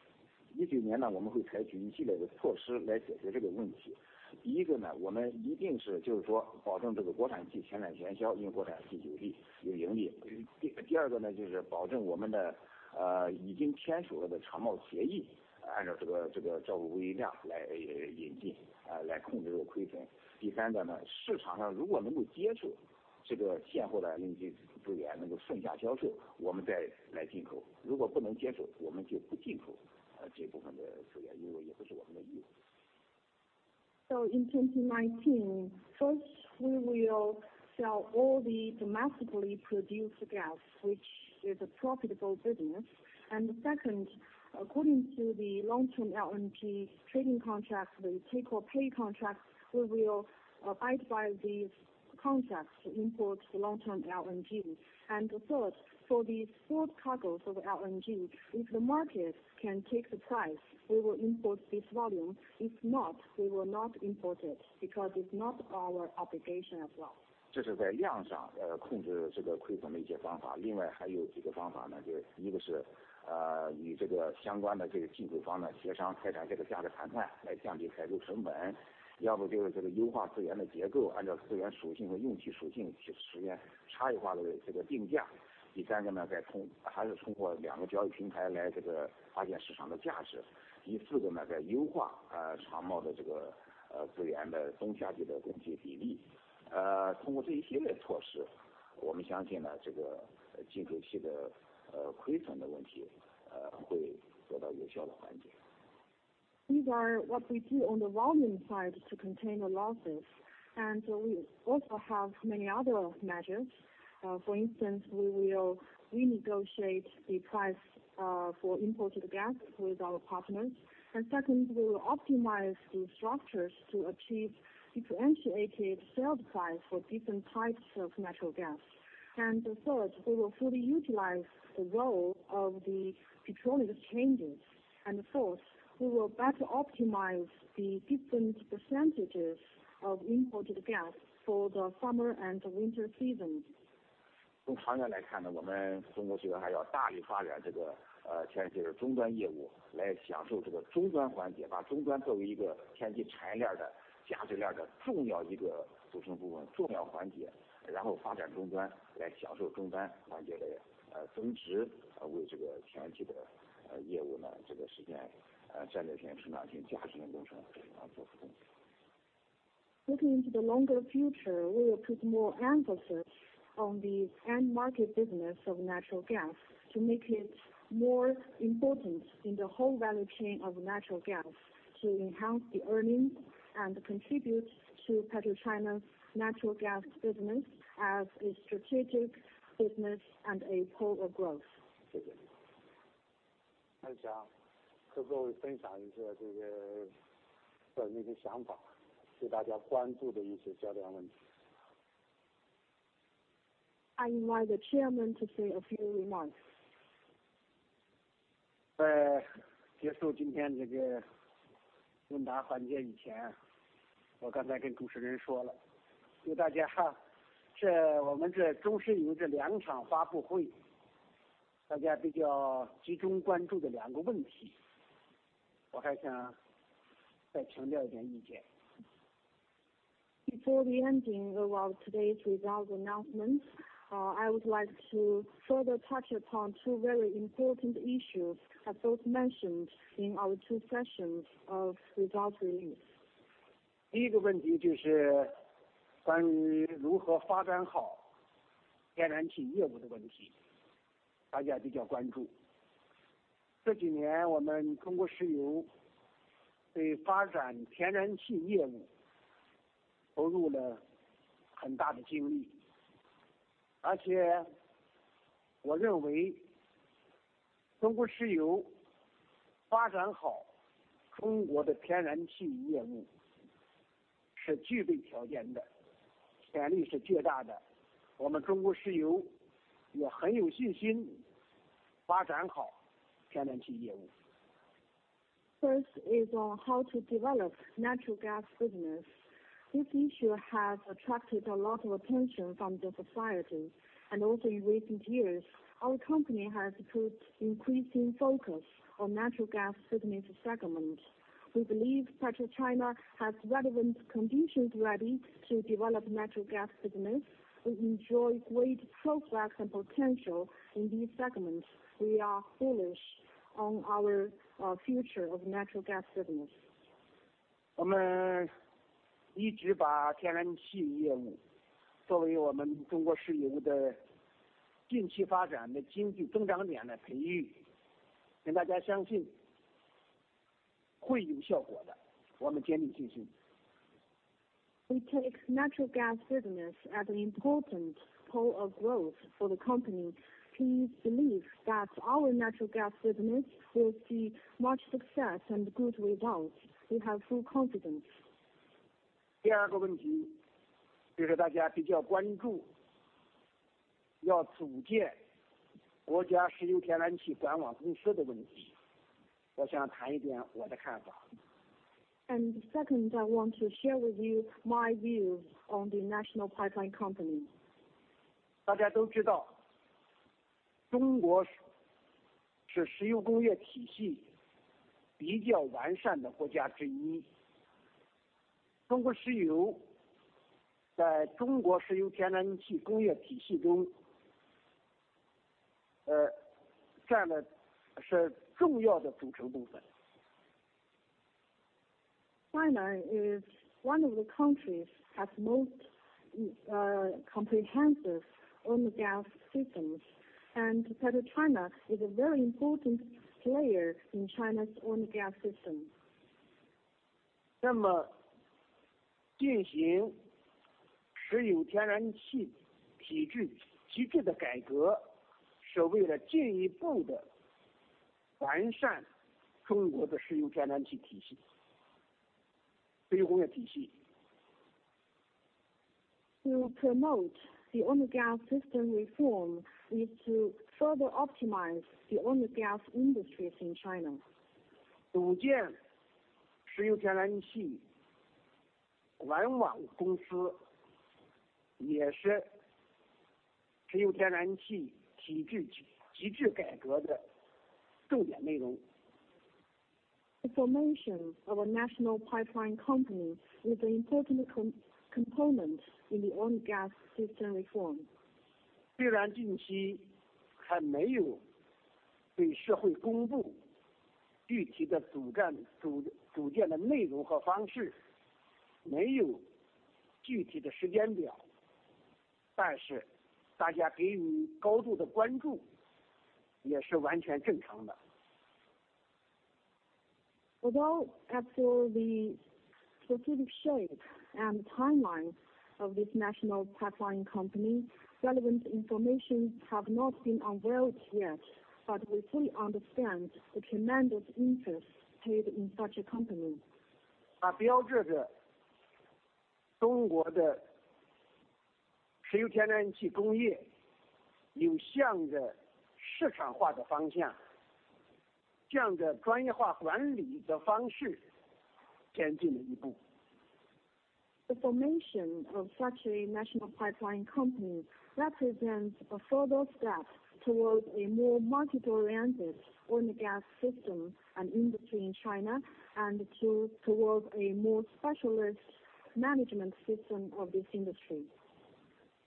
2019年我们会采取一系列的措施来解决这个问题。第一个，我们一定是保证国产气优先生产优先销售，因为国产气有利有盈利。第二个就是保证我们的已经签署了的长贸协议，按照take or pay规定量来引进，来控制亏损。第三个，市场上如果能够接受现货的LNG资源，能够顺价销售，我们再来进口。如果不能接受，我们就不进口这部分的资源，因为也不是我们的义务。So in 2019, first we will sell all the domestically produced gas, which is a profitable business, and second, according to the long-term LNG trading contract, the take-or-pay contract, we will abide by these contracts to import long-term LNG. And third, for spot LNG, if the market can take the price, we will import this volume. If not, we will not import it because it's not our obligation as well. 这是在量上控制亏损的一些方法。另外还有几个方法，一个是与相关的进口方协商，开展价格谈判来降低采购成本，要不就是优化资源的结构，按照资源属性和用气属性去实现差异化的定价。第三个，还是通过两个交易平台来发现市场的价值。第四个，再优化长贸的资源的中低热值的供给比例。通过这一系列措施，我们相信进口气的亏损的问题会得到有效的缓解。These are what we do on the volume side to contain the losses, and we also have many other measures. For instance, we will renegotiate the price for imported gas with our partners. And second, we will optimize the structures to achieve differentiated sales price for different types of natural gas. And third, we will fully utilize the role of the petroleum exchanges. And fourth, we will better optimize the different percentages of imported gas for the summer and winter season. 从长远来看，我们中国集团还要大力发展天然气终端业务，来享受终端环节，把终端作为一个天然气产业链的加值链的重要组成部分，重要环节，然后发展终端，来享受终端环节的增值，为天然气的业务实现战略性、生产性、价值性的工程做出贡献。Looking to the longer future, we will put more emphasis on the end market business of natural gas to make it more important in the whole value chain of natural gas to enhance the earnings and contribute to PetroChina's natural gas business as a strategic business and a pole of growth. 谢谢你。那就这样，最后分享一下这些想法，对大家关注的一些焦点问题。I invite the Chairman to say a few remarks. 在结束今天问答环节以前，我刚才跟主持人说了，对我们中石油这两场发布会，大家比较集中关注的两个问题，我还想再强调一点意见。Before the ending of today's results announcement, I would like to further touch upon two very important issues I've both mentioned in our two sessions of results release. 第一个问题就是关于如何发展好天然气业务的问题，大家比较关注。这几年我们中国石油对发展天然气业务投入了很大的精力，而且我认为中国石油发展好中国的天然气业务是具备条件的，潜力是巨大的。我们中国石油也很有信心发展好天然气业务. First is on how to develop natural gas business. This issue has attracted a lot of attention from the society, and also in recent years, our company has put increasing focus on natural gas business segment. We believe PetroChina has relevant conditions ready to develop natural gas business. We enjoy great prospects and potential in these segments. We are bullish on our future of natural gas business. 我们一直把天然气业务作为我们中国石油的近期发展的经济增长点来培育，跟大家相信会有效果的，我们坚定信心。We take natural gas business as an important pole of growth for the company. Please believe that our natural gas business will see much success and good results. We have full confidence. 第二个问题就是大家比较关注要组建国家石油天然气管网公司的问题，我想谈一点我的看法。Second, I want to share with you my views on the National Pipeline Company. 大家都知道中国是石油工业体系比较完善的国家之一，中国石油在中国石油天然气工业体系中占了重要的组成部分。China is one of the countries that has the most comprehensive oil and gas systems, and PetroChina is a very important player in China's oil and gas system. 那么进行石油天然气体制的改革是为了进一步的完善中国的石油天然气体系，石油工业体系。To promote the oil and gas system reform, we need to further optimize the oil and gas industries in China. 组建石油天然气管网公司也是石油天然气体制改革的重点内容。Formation of a National Pipeline Company is an important component in the oil and gas system reform. 虽然近期还没有对社会公布具体的组建的内容和方式，没有具体的时间表，但是大家给予高度的关注也是完全正常的。Although after the strategic shape and timeline of this National Pipeline Company, relevant information has not been unveiled yet, but we fully understand the tremendous interest paid in such a company. 这标志着中国的石油天然气工业有向着市场化的方向，向着专业化管理的方式前进了一步。The formation of such a National Pipeline Company represents a further step towards a more market-oriented oil and gas system and industry in China and towards a more specialized management system of this industry.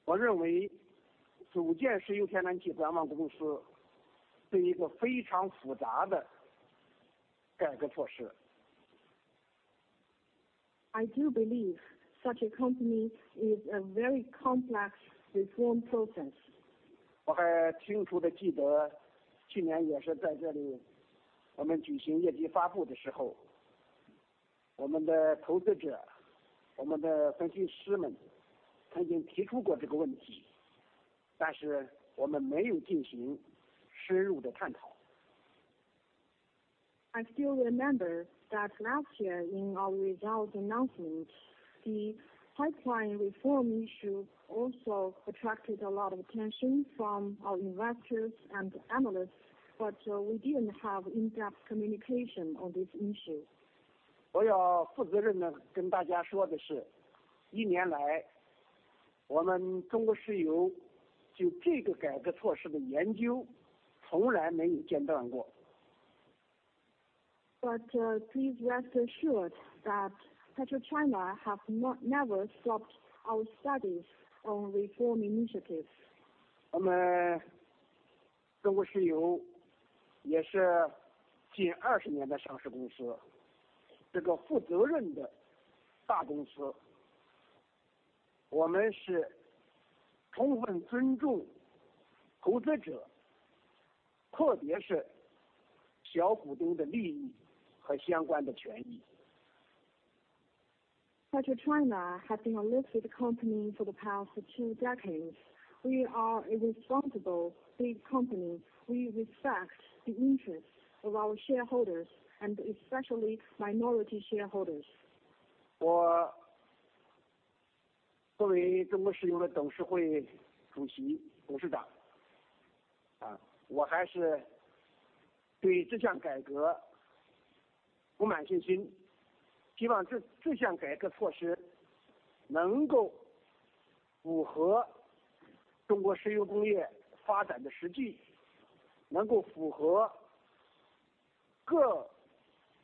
我认为组建石油天然气管网公司是一个非常复杂的改革措施。I do believe such a company is a very complex reform process. I still remember that last year in our results announcement, the pipeline reform issue also attracted a lot of attention from our investors and analysts, but we didn't have in-depth communication on this issue. But please rest assured that PetroChina has never stopped our studies on reform initiatives. PetroChina has been a listed company for the past two decades. We are a responsible big company. We respect the interests of our shareholders, and especially minority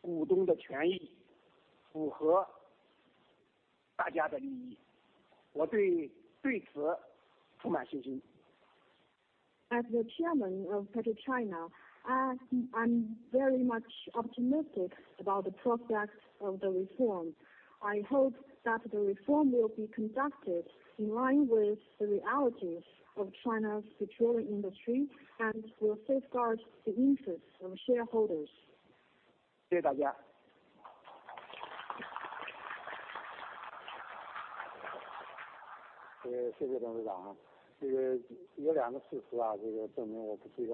shareholders. As the Chairman of PetroChina, I still have full confidence in this reform. I hope that the reform will be conducted in line with the realities of China's petroleum industry and will safeguard the interests of shareholders. I am full of confidence in this. Thank you everyone. Thank you, Chairman. There are two facts that prove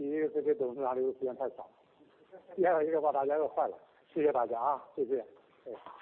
I am not a good host. First, this Chairman stayed for too little time. Second, I made everyone very hungry. Thank you everyone. Thank you.